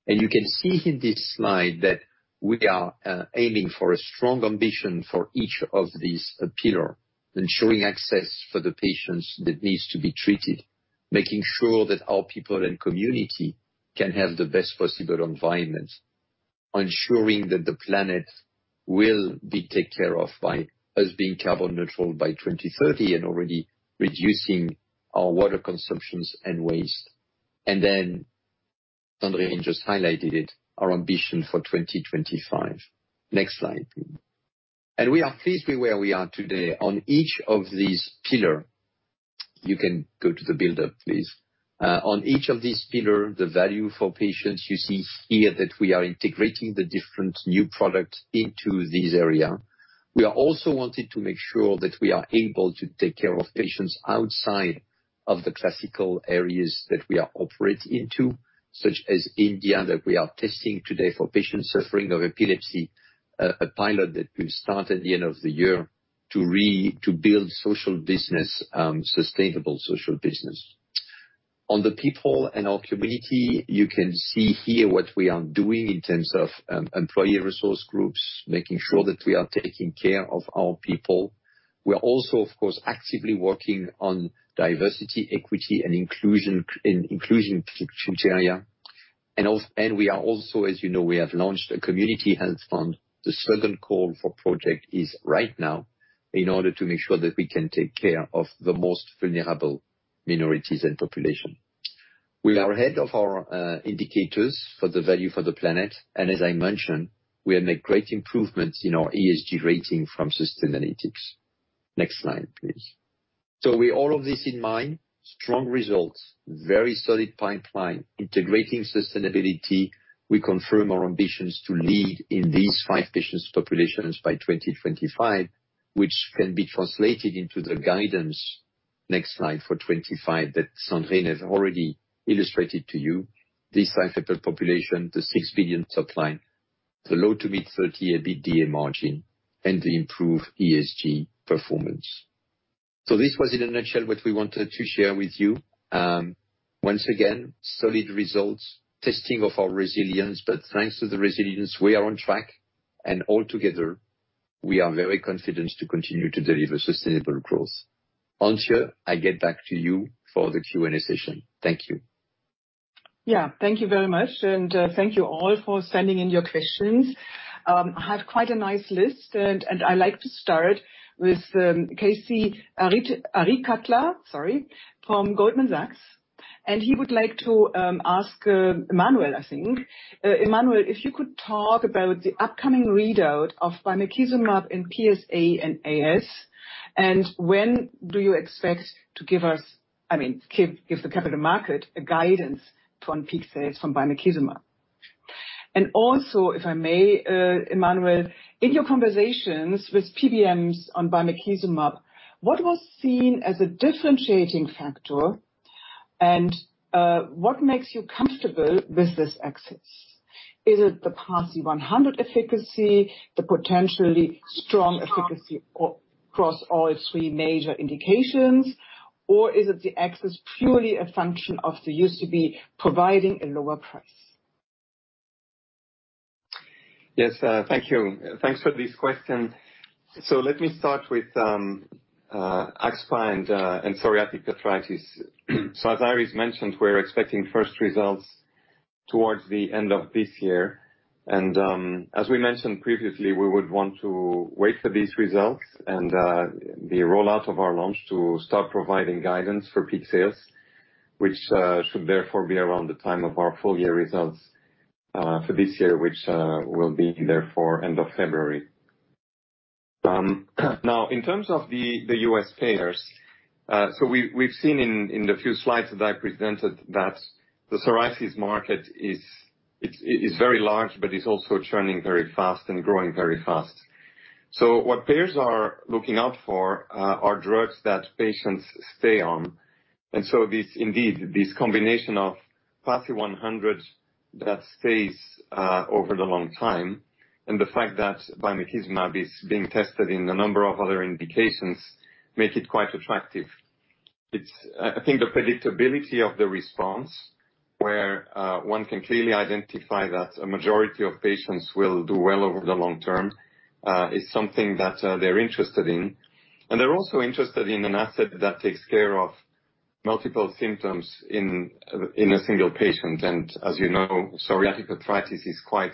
You can see in this slide that we are aiming for a strong ambition for each of these pillar, ensuring access for the patients that needs to be treated, making sure that our people and community can have the best possible environment, ensuring that the planet will be take care of by us being carbon neutral by 2030, already reducing our water consumptions and waste. Sandrine just highlighted it, our ambition for 2025. Next slide. We are pleased with where we are today on each of these pillar. You can go to the buildup, please. On each of these pillar, the value for patients, you see here that we are integrating the different new product into this area. We are also wanted to make sure that we are able to take care of patients outside of the classical areas that we are operate into, such as India, that we are testing today for patients suffering of epilepsy, a pilot that will start at the end of the year to build sustainable social business. On the people and our community, you can see here what we are doing in terms of employee resource groups, making sure that we are taking care of our people. We are also, of course, actively working on diversity, equity, and inclusion criteria. We are also, as you know, we have launched a community health fund. The second call for project is right now in order to make sure that we can take care of the most vulnerable minorities and population. We are ahead of our indicators for the value for the planet, and as I mentioned, we have made great improvements in our ESG rating from Sustainalytics. Next slide, please. With all of this in mind, strong results, very solid pipeline, integrating sustainability, we confirm our ambitions to lead in these five patients populations by 2025, which can be translated into the guidance. Next slide. For 25 that Sandrine has already illustrated to you. This five patient population, the 6 billion top line, the low to mid 30% EBITDA margin, and the improved ESG performance. This was in a nutshell what we wanted to share with you. Once again, solid results, testing of our resilience. Thanks to the resilience, we are on track, and all together, we are very confident to continue to deliver sustainable growth. Antje, I get back to you for the Q&A session. Thank you. Yeah. Thank you very much, thank you all for sending in your questions. I have quite a nice list, I like to start with Salveen Richter, sorry, from Goldman Sachs, he would like to ask Emmanuel, I think. Emmanuel, if you could talk about the upcoming readout of bimekizumab in PSA and AS, when do you expect to give us I mean, give the capital market a guidance to on peak sales from bimekizumab. Also, if I may, Emmanuel, in your conversations with PBMs on bimekizumab, what was seen as a differentiating factor, what makes you comfortable with this access? Is it the PASI 100 efficacy, the potentially strong efficacy across all three major indications, is it the access purely a function of the UCB providing a lower price? Yes. Thank you. Thanks for this question. Let me start with AxSpA and psoriatic arthritis. As Iris mentioned, we're expecting first results towards the end of this year. As we mentioned previously, we would want to wait for these results and the rollout of our launch to start providing guidance for peak sales, which should therefore be around the time of our full year results for this year, which will be therefore end of February. Now, in terms of the U.S. payers, we've seen in the few slides that I presented that the psoriasis market is very large, but is also churning very fast and growing very fast. What payers are looking out for are drugs that patients stay on. This indeed, this combination of PASI 100 that stays over the long time, and the fact that bimekizumab is being tested in a number of other indications make it quite attractive. I think the predictability of the response. Where one can clearly identify that a majority of patients will do well over the long term is something that they're interested in. They're also interested in an asset that takes care of multiple symptoms in a single patient. As you know, psoriatic arthritis is quite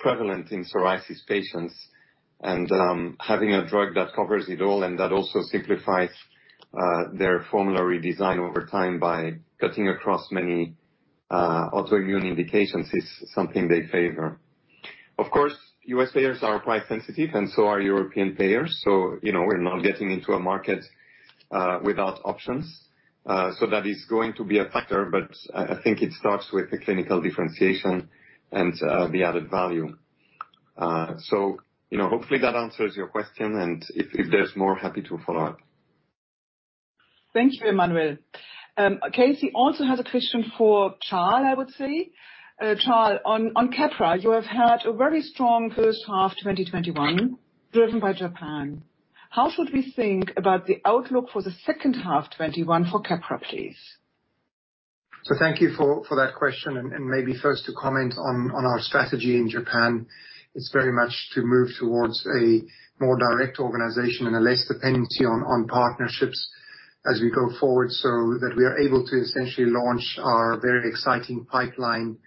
prevalent in psoriasis patients, and having a drug that covers it all and that also simplifies their formulary design over time by cutting across many autoimmune indications is something they favor. Of course, U.S. payers are quite sensitive, and so are European payers, so we're not getting into a market without options. That is going to be a factor, but I think it starts with the clinical differentiation and the added value. Hopefully that answers your question, and if there is more, happy to follow up. Thank you, Emmanuel. Salveen Richter also has a question for Charl, I would say. Charl, on Keppra, you have had a very strong first half 2021 driven by Japan. How should we think about the outlook for the second half 2021 for Keppra, please? Thank you for that question, and maybe first to comment on our strategy in Japan. It's very much to move towards a more direct organization and a less dependency on partnerships as we go forward, so that we are able to essentially launch our very exciting pipeline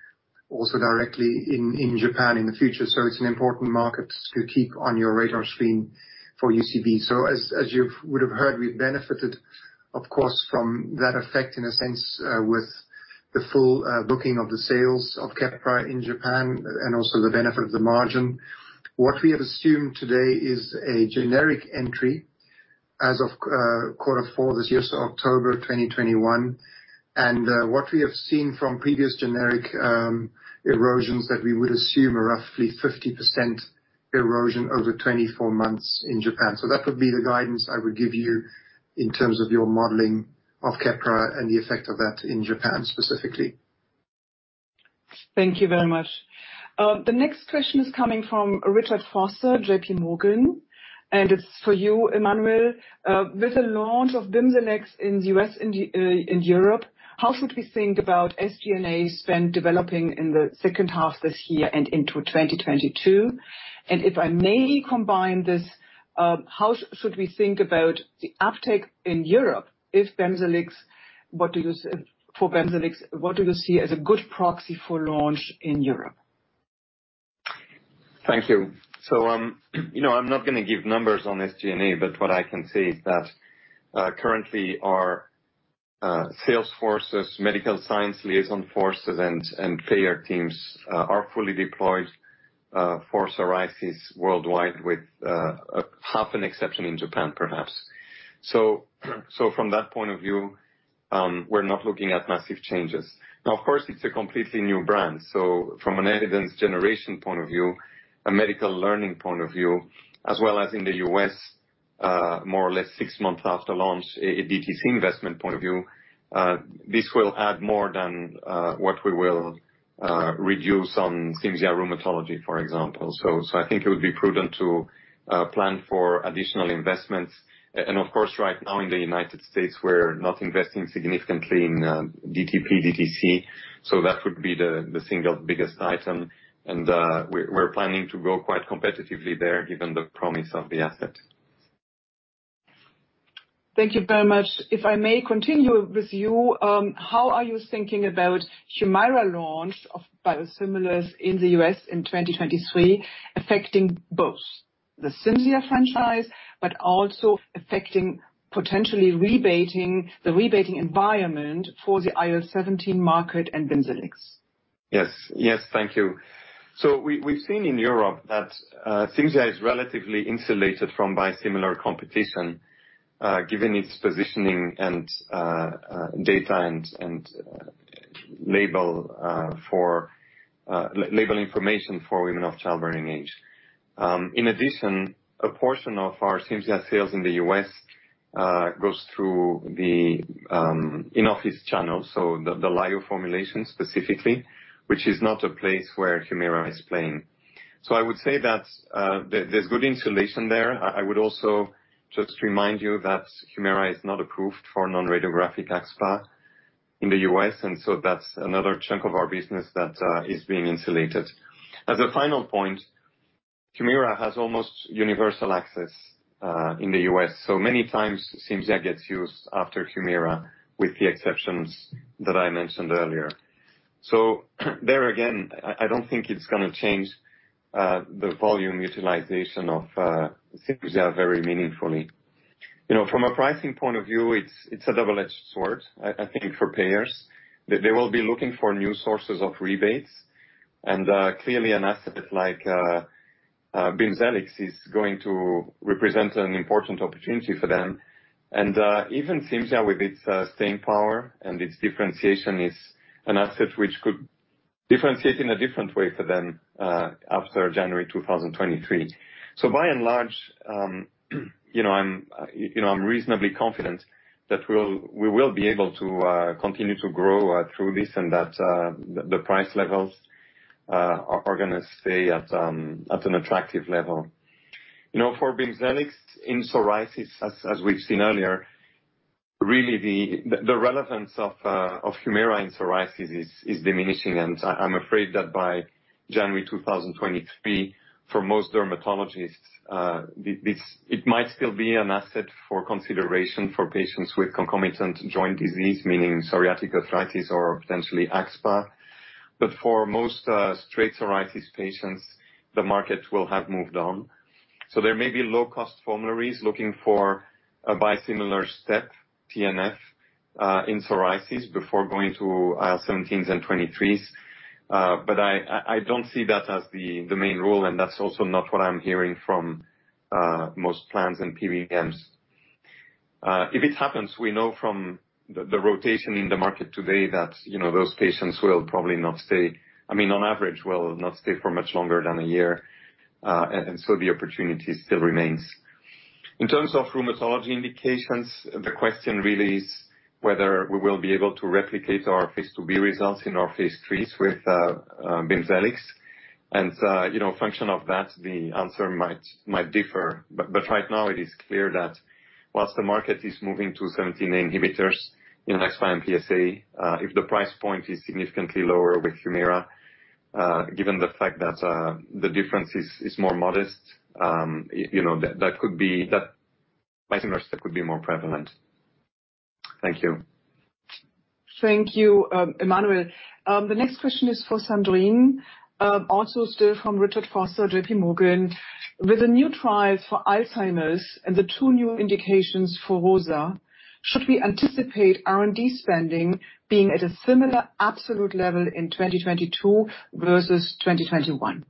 also directly in Japan in the future. It's an important market to keep on your radar screen for UCB. As you would have heard, we benefited, of course, from that effect in a sense with the full booking of the sales of Keppra in Japan, and also the benefit of the margin. What we have assumed today is a generic entry as of Q4 2021, so October 2021. What we have seen from previous generic erosions that we would assume are roughly 50% erosion over 24 months in Japan. That would be the guidance I would give you in terms of your modeling of Keppra and the effect of that in Japan specifically. Thank you very much. The next question is coming from Richard Vosser, J.P. Morgan, and it's for you, Emmanuel. With the launch of BIMZELX in the U.S. and Europe, how should we think about SG&A spend developing in the second half this year and into 2022? If I may combine this, how should we think about the uptake in Europe for BIMZELX? What do you see as a good proxy for launch in Europe? Thank you. I'm not going to give numbers on SG&A, but what I can say is that currently our sales forces, medical science liaison forces, and payer teams are fully deployed for psoriasis worldwide with half an exception in Japan, perhaps. From that point of view, we're not looking at massive changes. Now, of course, it's a completely new brand, from an evidence generation point of view, a medical learning point of view, as well as in the U.S. more or less six months after launch, a DTC investment point of view, this will add more than what we will reduce on Cimzia rheumatology, for example. I think it would be prudent to plan for additional investments. Of course, right now in the United States, we're not investing significantly in DTP, DTC, that would be the single biggest item. We're planning to go quite competitively there given the promise of the asset. Thank you very much. If I may continue with you, how are you thinking about HUMIRA launch of biosimilars in the U.S. in 2023, affecting both the Cimzia franchise, but also affecting potentially the rebating environment for the IL-17 market and BIMZELX? Yes. Thank you. We've seen in Europe that Cimzia is relatively insulated from biosimilar competition given its positioning and data and label information for women of childbearing age. In addition, a portion of our Cimzia sales in the U.S. goes through the in-office channel, so the live formulation specifically, which is not a place where HUMIRA is playing. I would say that there's good insulation there. I would also just remind you that HUMIRA is not approved for non-radiographic AxSpA in the U.S., that's another chunk of our business that is being insulated. As a final point, HUMIRA has almost universal access in the U.S., many times, Cimzia gets used after HUMIRA with the exceptions that I mentioned earlier. There again, I don't think it's going to change the volume utilization of Cimzia very meaningfully. From a pricing point of view, it's a double-edged sword, I think for payers. They will be looking for new sources of rebates. Clearly an asset like BIMZELX is going to represent an important opportunity for them. Even Cimzia with its staying power and its differentiation is an asset which could differentiate in a different way for them after January 2023. By and large, I'm reasonably confident that we will be able to continue to grow through this and that the price levels are going to stay at an attractive level. For BIMZELX in psoriasis, as we've seen earlier, really the relevance of HUMIRA in psoriasis is diminishing. I'm afraid that by January 2023, for most dermatologists, it might still be an asset for consideration for patients with concomitant joint disease, meaning psoriatic arthritis or potentially AxSpA. For most straight psoriasis patients, the market will have moved on. There may be low-cost formularies looking for a biosimilar step TNF in psoriasis before going to 17s and 23s. I don't see that as the main role, and that's also not what I'm hearing from most plans and PBMs. If it happens, we know from the rotation in the market today that those patients, on average, will not stay for much longer than a year. The opportunity still remains. In terms of rheumatology indications, the question really is whether we will be able to replicate our phase II-B results in our phase IIIs with BIMZELX. Function of that, the answer might differ. Right now it is clear that whilst the market is moving to 17 inhibitors in AxSpA and PsA, if the price point is significantly lower with HUMIRA, given the fact that the difference is more modest, that biosimilar could be more prevalent. Thank you. Thank you, Emmanuel. The next question is for Sandrine, also still from Richard Vosser, J.P. Morgan. With the new trial for Alzheimer's and the two new indications for rozanolixizumab, should we anticipate R&D spending being at a similar absolute level in 2022 versus 2021?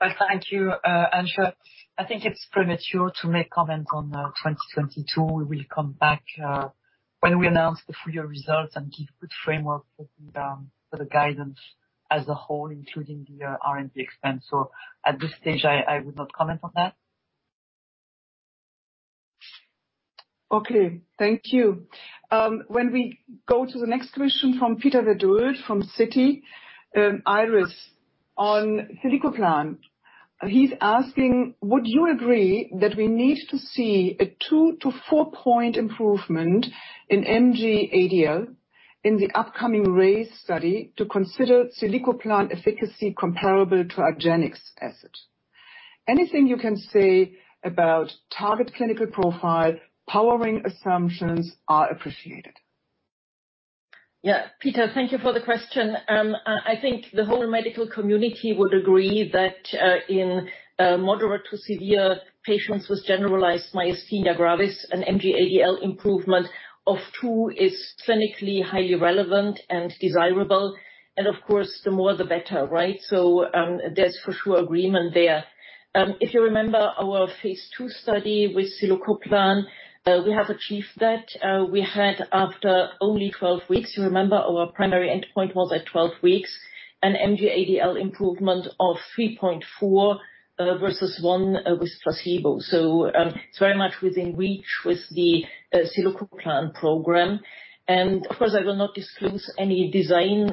Well, thank you, Antje Witte. I think it's premature to make comments on 2022. We will come back when we announce the full year results and give good framework for the guidance as a whole, including the R&D expense. At this stage, I would not comment on that. Okay. Thank you. We go to the next question from Peter Verdult from Citi. Iris, on zilucoplan, he's asking, would you agree that we need to see a 2 to 4-point improvement in MG-ADL in the upcoming RAISE study to consider zilucoplan efficacy comparable to a argenx asset? Anything you can say about target clinical profile, powering assumptions are appreciated. Yeah, Peter, thank you for the question. I think the whole medical community would agree that in moderate to severe patients with generalized myasthenia gravis, an MG-ADL improvement of two is clinically highly relevant and desirable. Of course, the more the better, right? There's for sure agreement there. If you remember our phase II study with zilucoplan, we have achieved that. We had after only 12 weeks, you remember our primary endpoint was at 12 weeks, an MG-ADL improvement of 3.4 versus one with placebo. It's very much within reach with the zilucoplan program. Of course, I will not disclose any design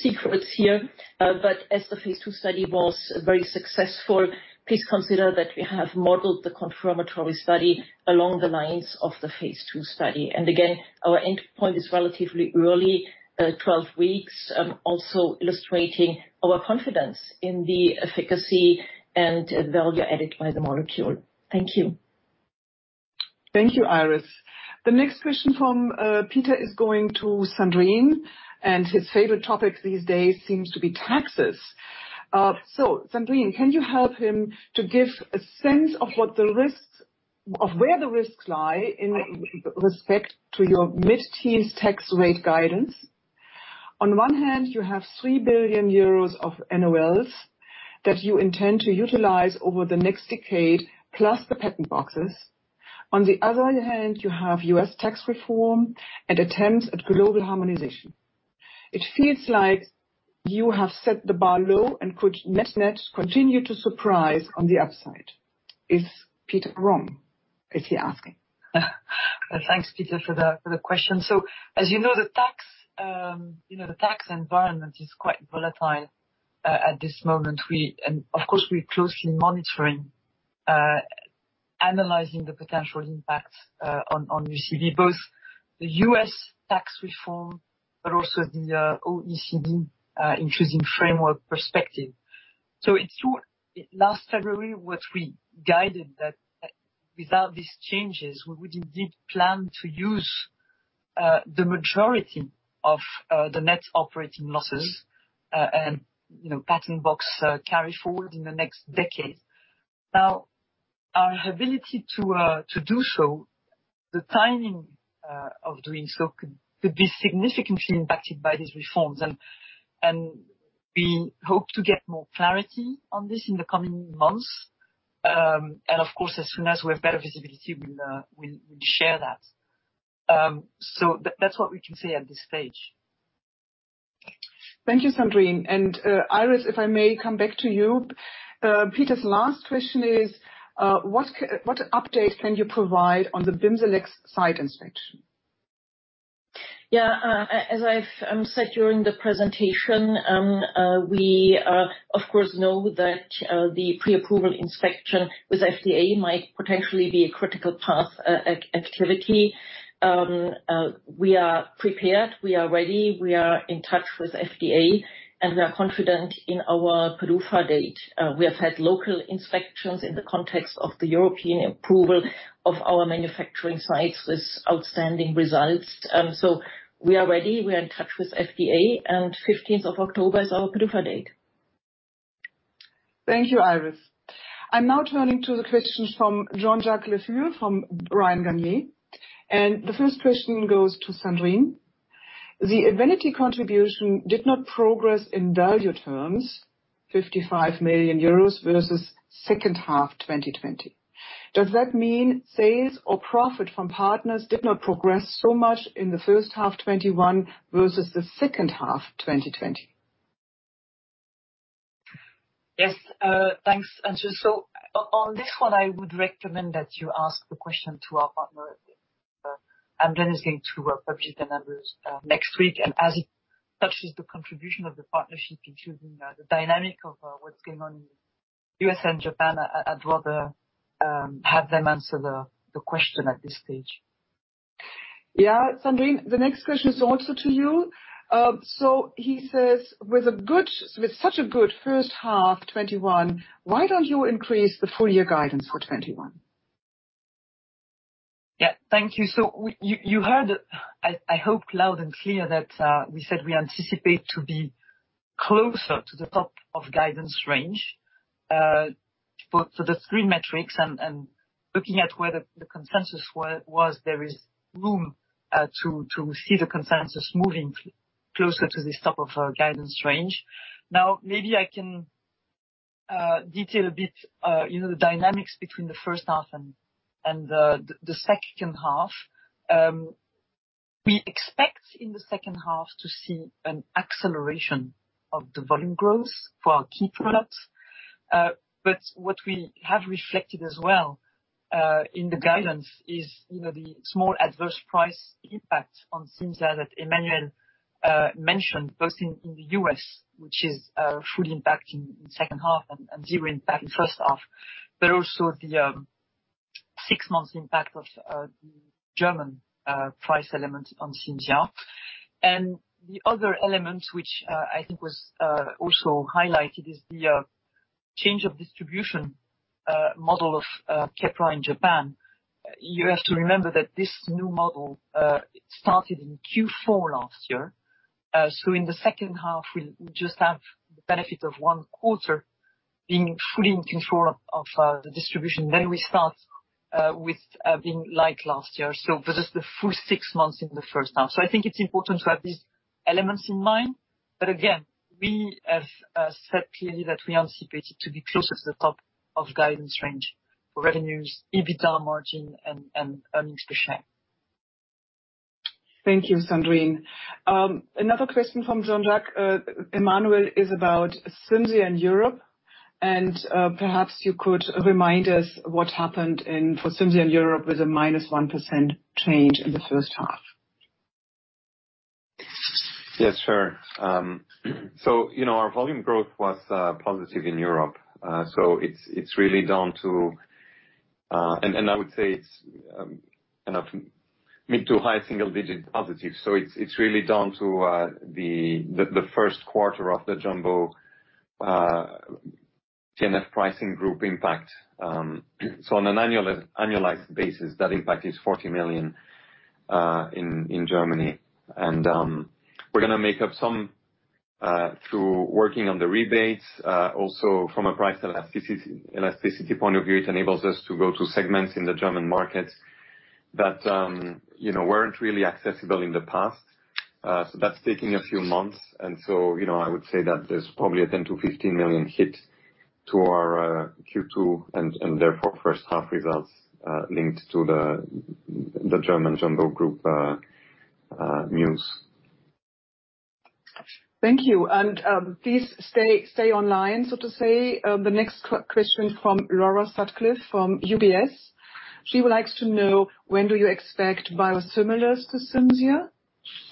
secrets here, but as the phase II study was very successful, please consider that we have modeled the confirmatory study along the lines of the phase II study. Again, our endpoint is relatively early, 12 weeks, also illustrating our confidence in the efficacy and value added by the molecule. Thank you. Thank you, Iris. The next question from Peter is going to Sandrine. His favorite topic these days seems to be taxes. Sandrine, can you help him to give a sense of where the risks lie in respect to your mid-teens tax rate guidance? On one hand, you have 3 billion euros of NOLs that you intend to utilize over the next decade, plus the patent boxes. On the other hand, you have U.S. tax reform and attempts at global harmonization. It feels like you have set the bar low and could net-net continue to surprise on the upside. Is Peter wrong? Is he asking. Thanks, Peter, for the question. As you know, the tax environment is quite volatile at this moment. Of course, we're closely monitoring, analyzing the potential impact on UCB, both the U.S. tax reform but also the OECD inclusive framework perspective. In last February, what we guided that without these changes, we would indeed plan to use the majority of the net operating losses and patent box carry forward in the next decade. Our ability to do so, the timing of doing so could be significantly impacted by these reforms. We hope to get more clarity on this in the coming months. Of course, as soon as we have better visibility, we'll share that. That's what we can say at this stage. Thank you, Sandrine. Iris, if I may come back to you. Peter's last question is, what update can you provide on the BIMZELX site inspection? As I've said during the presentation, we of course know that the pre-approval inspection with FDA might potentially be a critical path activity. We are prepared, we are ready, we are in touch with FDA, and we are confident in our PDUFA date. We have had local inspections in the context of the European approval of our manufacturing sites with outstanding results. We are ready. We are in touch with FDA, 15th of October is our PDUFA date. Thank you, Iris. I'm now turning to the questions from Jean-Jacques Le Fur from B. Riley. The first question goes to Sandrine. The Evenity contribution did not progress in value terms, 55 million euros versus second half 2020. Does that mean sales or profit from partners did not progress so much in the first half 2021 versus the second half 2020? Yes. Thanks. On this one, I would recommend that you ask the question to our partner. Amgen is going to publish their numbers next week, and as it touches the contribution of the partnership including the dynamic of what's going on in the U.S. and Japan, I'd rather have them answer the question at this stage. Yeah. Sandrine, the next question is also to you. He says, "With such a good first half 2021, why don't you increase the full year guidance for 2021? Yeah. Thank you. You heard, I hope, loud and clear that we said we anticipate to be closer to the top of guidance range, for the three metrics and looking at where the consensus was, there is room to see the consensus moving closer to this top of our guidance range. Maybe I can detail a bit the dynamics between the first half and the second half. We expect in the second half to see an acceleration of the volume growth for our key products. What we have reflected as well, in the guidance is the small adverse price impact on Cimzia that Emmanuel mentioned, both in the U.S., which is fully impacting in second half and 0 impact in first half. Also the six months impact of the German price element on Cimzia. The other element, which I think was also highlighted, is the change of distribution model of Keppra in Japan. You have to remember that this new model started in Q4 last year. In the second half, we just have the benefit of one quarter being fully in control of the distribution. We start with being like last year. For just the full six months in the first half. I think it's important to have these elements in mind. Again, we have said clearly that we anticipate it to be close to the top of guidance range for revenues, EBITDA margin, and earnings per share. Thank you, Sandrine. Another question from Jean-Jacques. Emmanuel is about CIMZIA in Europe. Perhaps you could remind us what happened for CIMZIA in Europe with a -1% change in the first half? Yes, sure. Our volume growth was positive in Europe. It's really down to I would say it's mid to high single-digit positive. It's really down to the first quarter of the Jumbo Group TNF pricing group impact. On an annualized basis, that impact is 40 million in Germany. We're going to make up some through working on the rebates. From a price elasticity point of view, it enables us to go to segments in the German markets that weren't really accessible in the past. That's taking a few months, and I would say that there's probably a 10 million-15 million hit to our Q2 and therefore first half results, linked to the German Jumbo Group news. Thank you. Please stay online, so to say. The next question from Laura Sutcliffe from UBS. She would like to know when do you expect biosimilars to Cimzia,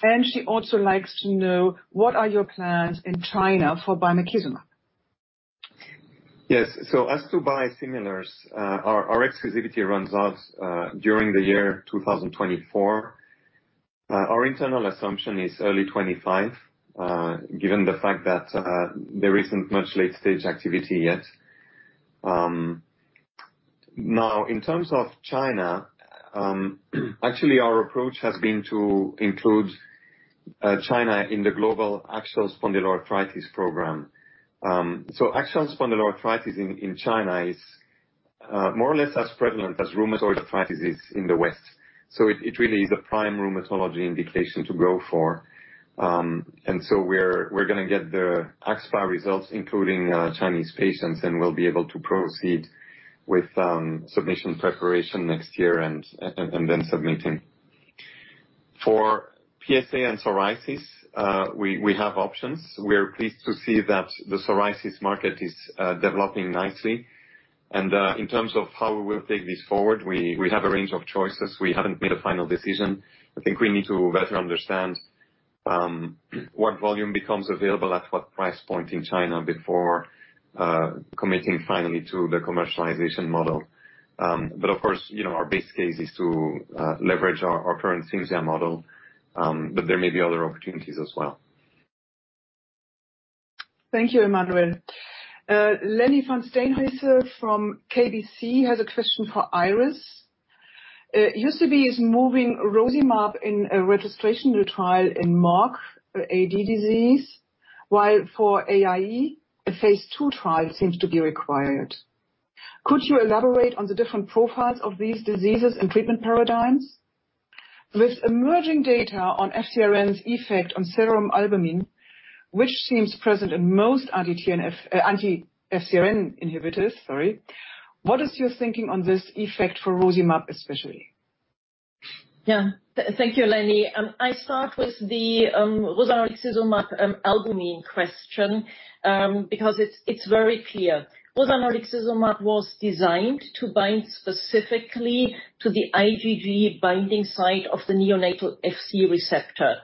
and she also likes to know what are your plans in China for bimekizumab? Yes. As to biosimilars, our exclusivity runs out during the year 2024. Our internal assumption is early 2025, given the fact that there isn't much late-stage activity yet. In terms of China, actually our approach has been to include China in the global axial spondyloarthritis program. Axial spondyloarthritis in China is more or less as prevalent as rheumatoid arthritis is in the West. It really is a prime rheumatology indication to go for. We're going to get the axSpA results, including Chinese patients, and we'll be able to proceed with submission preparation next year and then submitting. For PSA and psoriasis, we have options. We are pleased to see that the psoriasis market is developing nicely and, in terms of how we'll take this forward, we have a range of choices. We haven't made a final decision. I think we need to better understand what volume becomes available at what price point in China before committing finally to the commercialization model. Of course, our base case is to leverage our current Cimzia model, but there may be other opportunities as well. Thank you, Emmanuel. Lenny Van Steenhuyse from KBC has a question for Iris. UCB is moving rozimab in a registrational trial in MOGAD disease, while for AIE, a phase II trial seems to be required. Could you elaborate on the different profiles of these diseases and treatment paradigms? With emerging data on FcRn's effect on serum albumin, which seems present in most anti-FcRn inhibitors, what is your thinking on this effect for rozimab, especially? Yeah. Thank you, Lenny. I start with the rozanolixizumab albumin question, because it's very clear. Rozanolixizumab was designed to bind specifically to the IgG binding site of the neonatal Fc receptor.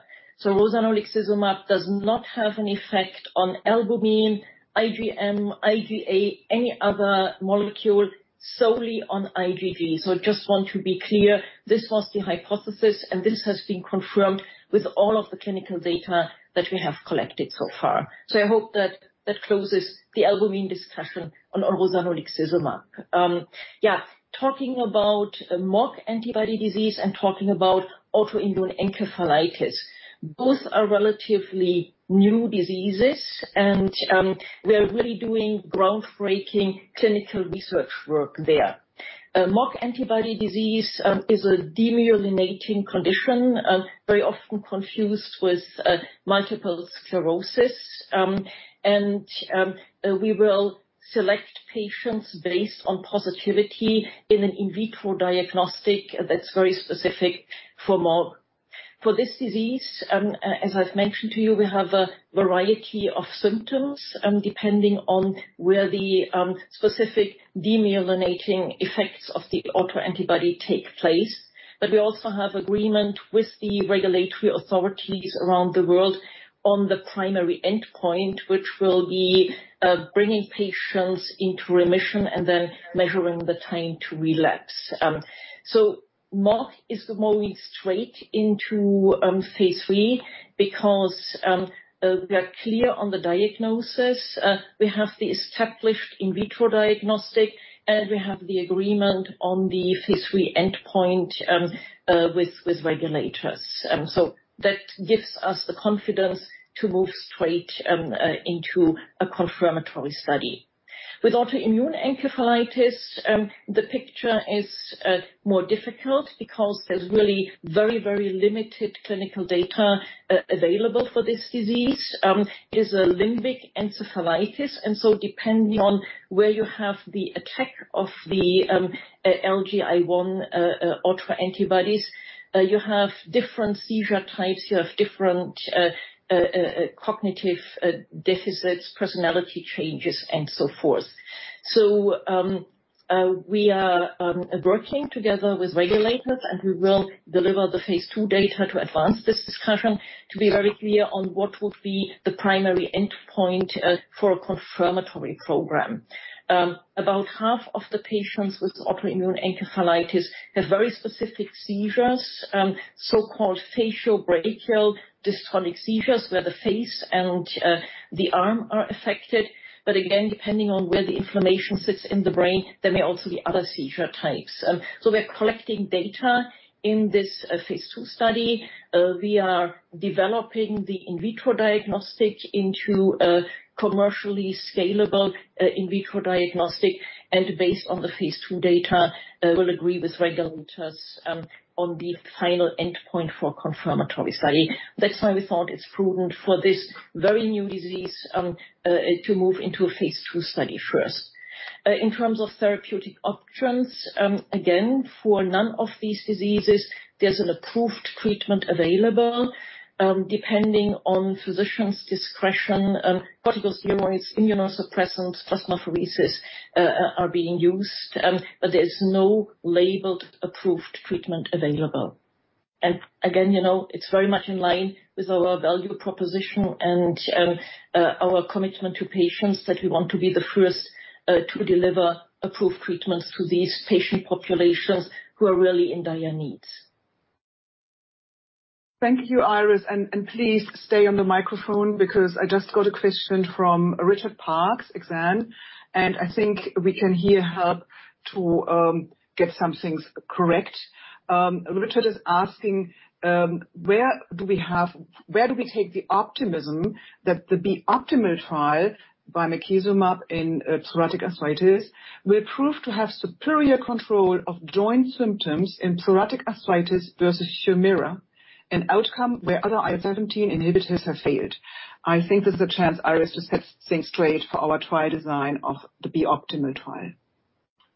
Rozanolixizumab does not have an effect on albumin, IgM, IgA, any other molecule, solely on IgG. I just want to be clear, this was the hypothesis, and this has been confirmed with all of the clinical data that we have collected so far. I hope that closes the albumin discussion on rozanolixizumab. Talking about MOG antibody disease and talking about autoimmune encephalitis, both are relatively new diseases, and we're really doing groundbreaking clinical research work there. MOG antibody disease is a demyelinating condition, very often confused with multiple sclerosis. We will select patients based on positivity in an in vitro diagnostic that's very specific for MOG. For this disease, as I've mentioned to you, we have a variety of symptoms, depending on where the specific demyelinating effects of the autoantibody take place. We also have agreement with the regulatory authorities around the world on the primary endpoint, which will be bringing patients into remission and then measuring the time to relapse. MOG is moving straight into phase III because we are clear on the diagnosis. We have the established in vitro diagnostic, and we have the agreement on the phase III endpoint with regulators. That gives us the confidence to move straight into a confirmatory study. With autoimmune encephalitis, the picture is more difficult because there's really very limited clinical data available for this disease. It is a limbic encephalitis, depending on where you have the attack of the LGI1 autoantibodies, you have different seizure types, you have different cognitive deficits, personality changes, and so forth. We are working together with regulators, and we will deliver the phase II data to advance this discussion to be very clear on what would be the primary endpoint for a confirmatory program. About half of the patients with autoimmune encephalitis have very specific seizures, so-called faciobrachial dystonic seizures, where the face and the arm are affected. Again, depending on where the inflammation sits in the brain, there may also be other seizure types. We're collecting data in this phase II study. We are developing the in vitro diagnostic into a commercially scalable in vitro diagnostic, and based on the phase II data, will agree with regulators on the final endpoint for a confirmatory study. That's why we thought it's prudent for this very new disease to move into a phase II study first. In terms of therapeutic options, again, for none of these diseases, there's an approved treatment available. Depending on physician's discretion, corticosteroids, immunosuppressants, plasmapheresis are being used. There is no labeled approved treatment available. Again, it's very much in line with our value proposition and our commitment to patients that we want to be the first to deliver approved treatments to these patient populations who are really in dire need. Thank you, Iris, and please stay on the microphone because I just got a question from Richard Parkes, Exane, and I think we can hear her to get some things correct. Richard is asking, where do we take the optimism that the BE OPTIMAL trial by bimekizumab in psoriatic arthritis will prove to have superior control of joint symptoms in psoriatic arthritis versus HUMIRA, an outcome where other IL-17 inhibitors have failed? I think there's a chance Iris just sets things straight for our trial design of the BE OPTIMAL trial.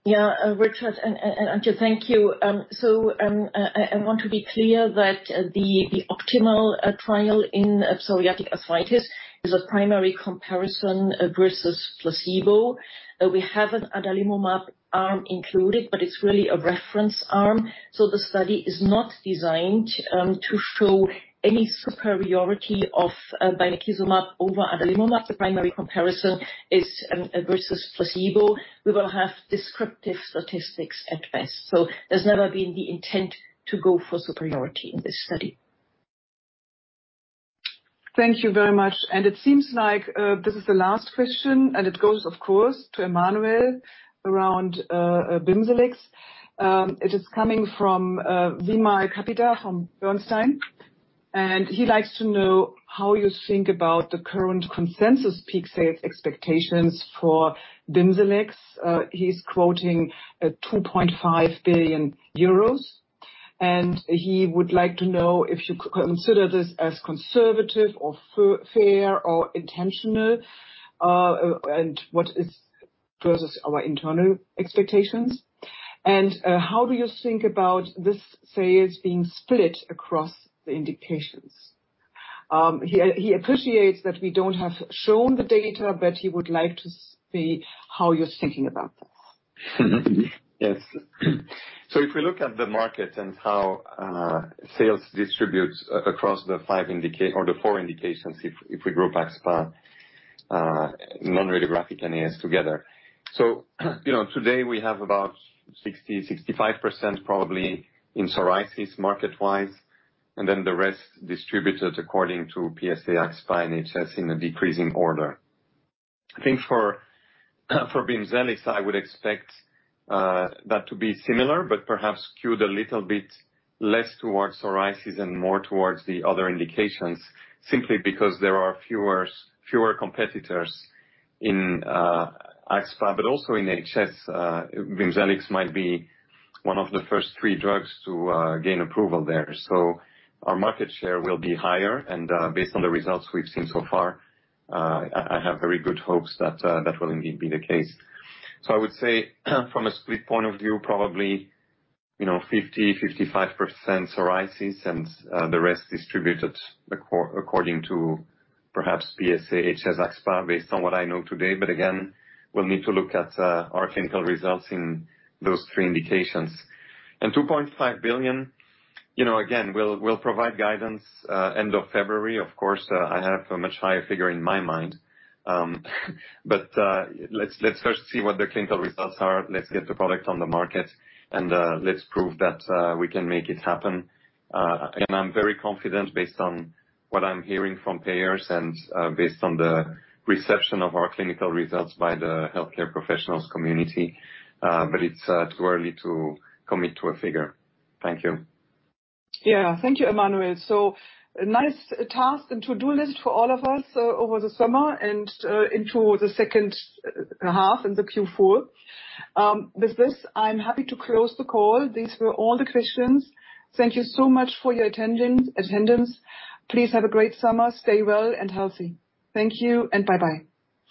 Yeah, Richard and Antje, thank you. I want to be clear that the BE OPTIMAL trial in psoriatic arthritis is a primary comparison versus placebo. We have an adalimumab arm included, but it's really a reference arm. The study is not designed to show any superiority of bimekizumab over adalimumab. The primary comparison is versus placebo. We will have descriptive statistics at best. There's never been the intent to go for superiority in this study. Thank you very much. It seems like this is the last question, and it goes, of course, to Emmanuel around BIMZELX. It is coming from Wimal Kapadia from Bernstein, and he likes to know how you think about the current consensus peak sales expectations for BIMZELX. He is quoting 2.5 billion euros, and he would like to know if you consider this as conservative or fair or intentional, and what is versus our internal expectations. How do you think about this sales being split across the indications? He appreciates that we don't have shown the data, but he would like to see how you are thinking about that. Yes. If we look at the market and how sales distributes across the four indications, if we group AxSpA, non-radiographic and AS together. Today we have about 60%-65%, probably in psoriasis market-wise, and then the rest distributed according to PsA, AxSpA, and HS in a decreasing order. I think for BIMZELX, I would expect that to be similar, but perhaps skewed a little bit less towards psoriasis and more towards the other indications, simply because there are fewer competitors in AxSpA, but also in HS. BIMZELX might be one of the first three drugs to gain approval there. Our market share will be higher, and based on the results we've seen so far, I have very good hopes that that will indeed be the case. I would say from a split point of view, probably 50%-55% psoriasis and the rest distributed according to perhaps PsA, HS, AxSpA, based on what I know today. Again, we'll need to look at our clinical results in those three indications. 2.5 billion, again, we'll provide guidance end of February. Of course, I have a much higher figure in my mind. Let's first see what the clinical results are. Let's get the product on the market, and let's prove that we can make it happen. I'm very confident based on what I'm hearing from payers and based on the reception of our clinical results by the healthcare professionals' community. It's too early to commit to a figure. Thank you. Yeah. Thank you, Emmanuel. Nice task and to-do list for all of us over the summer and into the second half in the Q4. With this, I'm happy to close the call. These were all the questions. Thank you so much for your attendance. Please have a great summer. Stay well and healthy. Thank you, and bye-bye.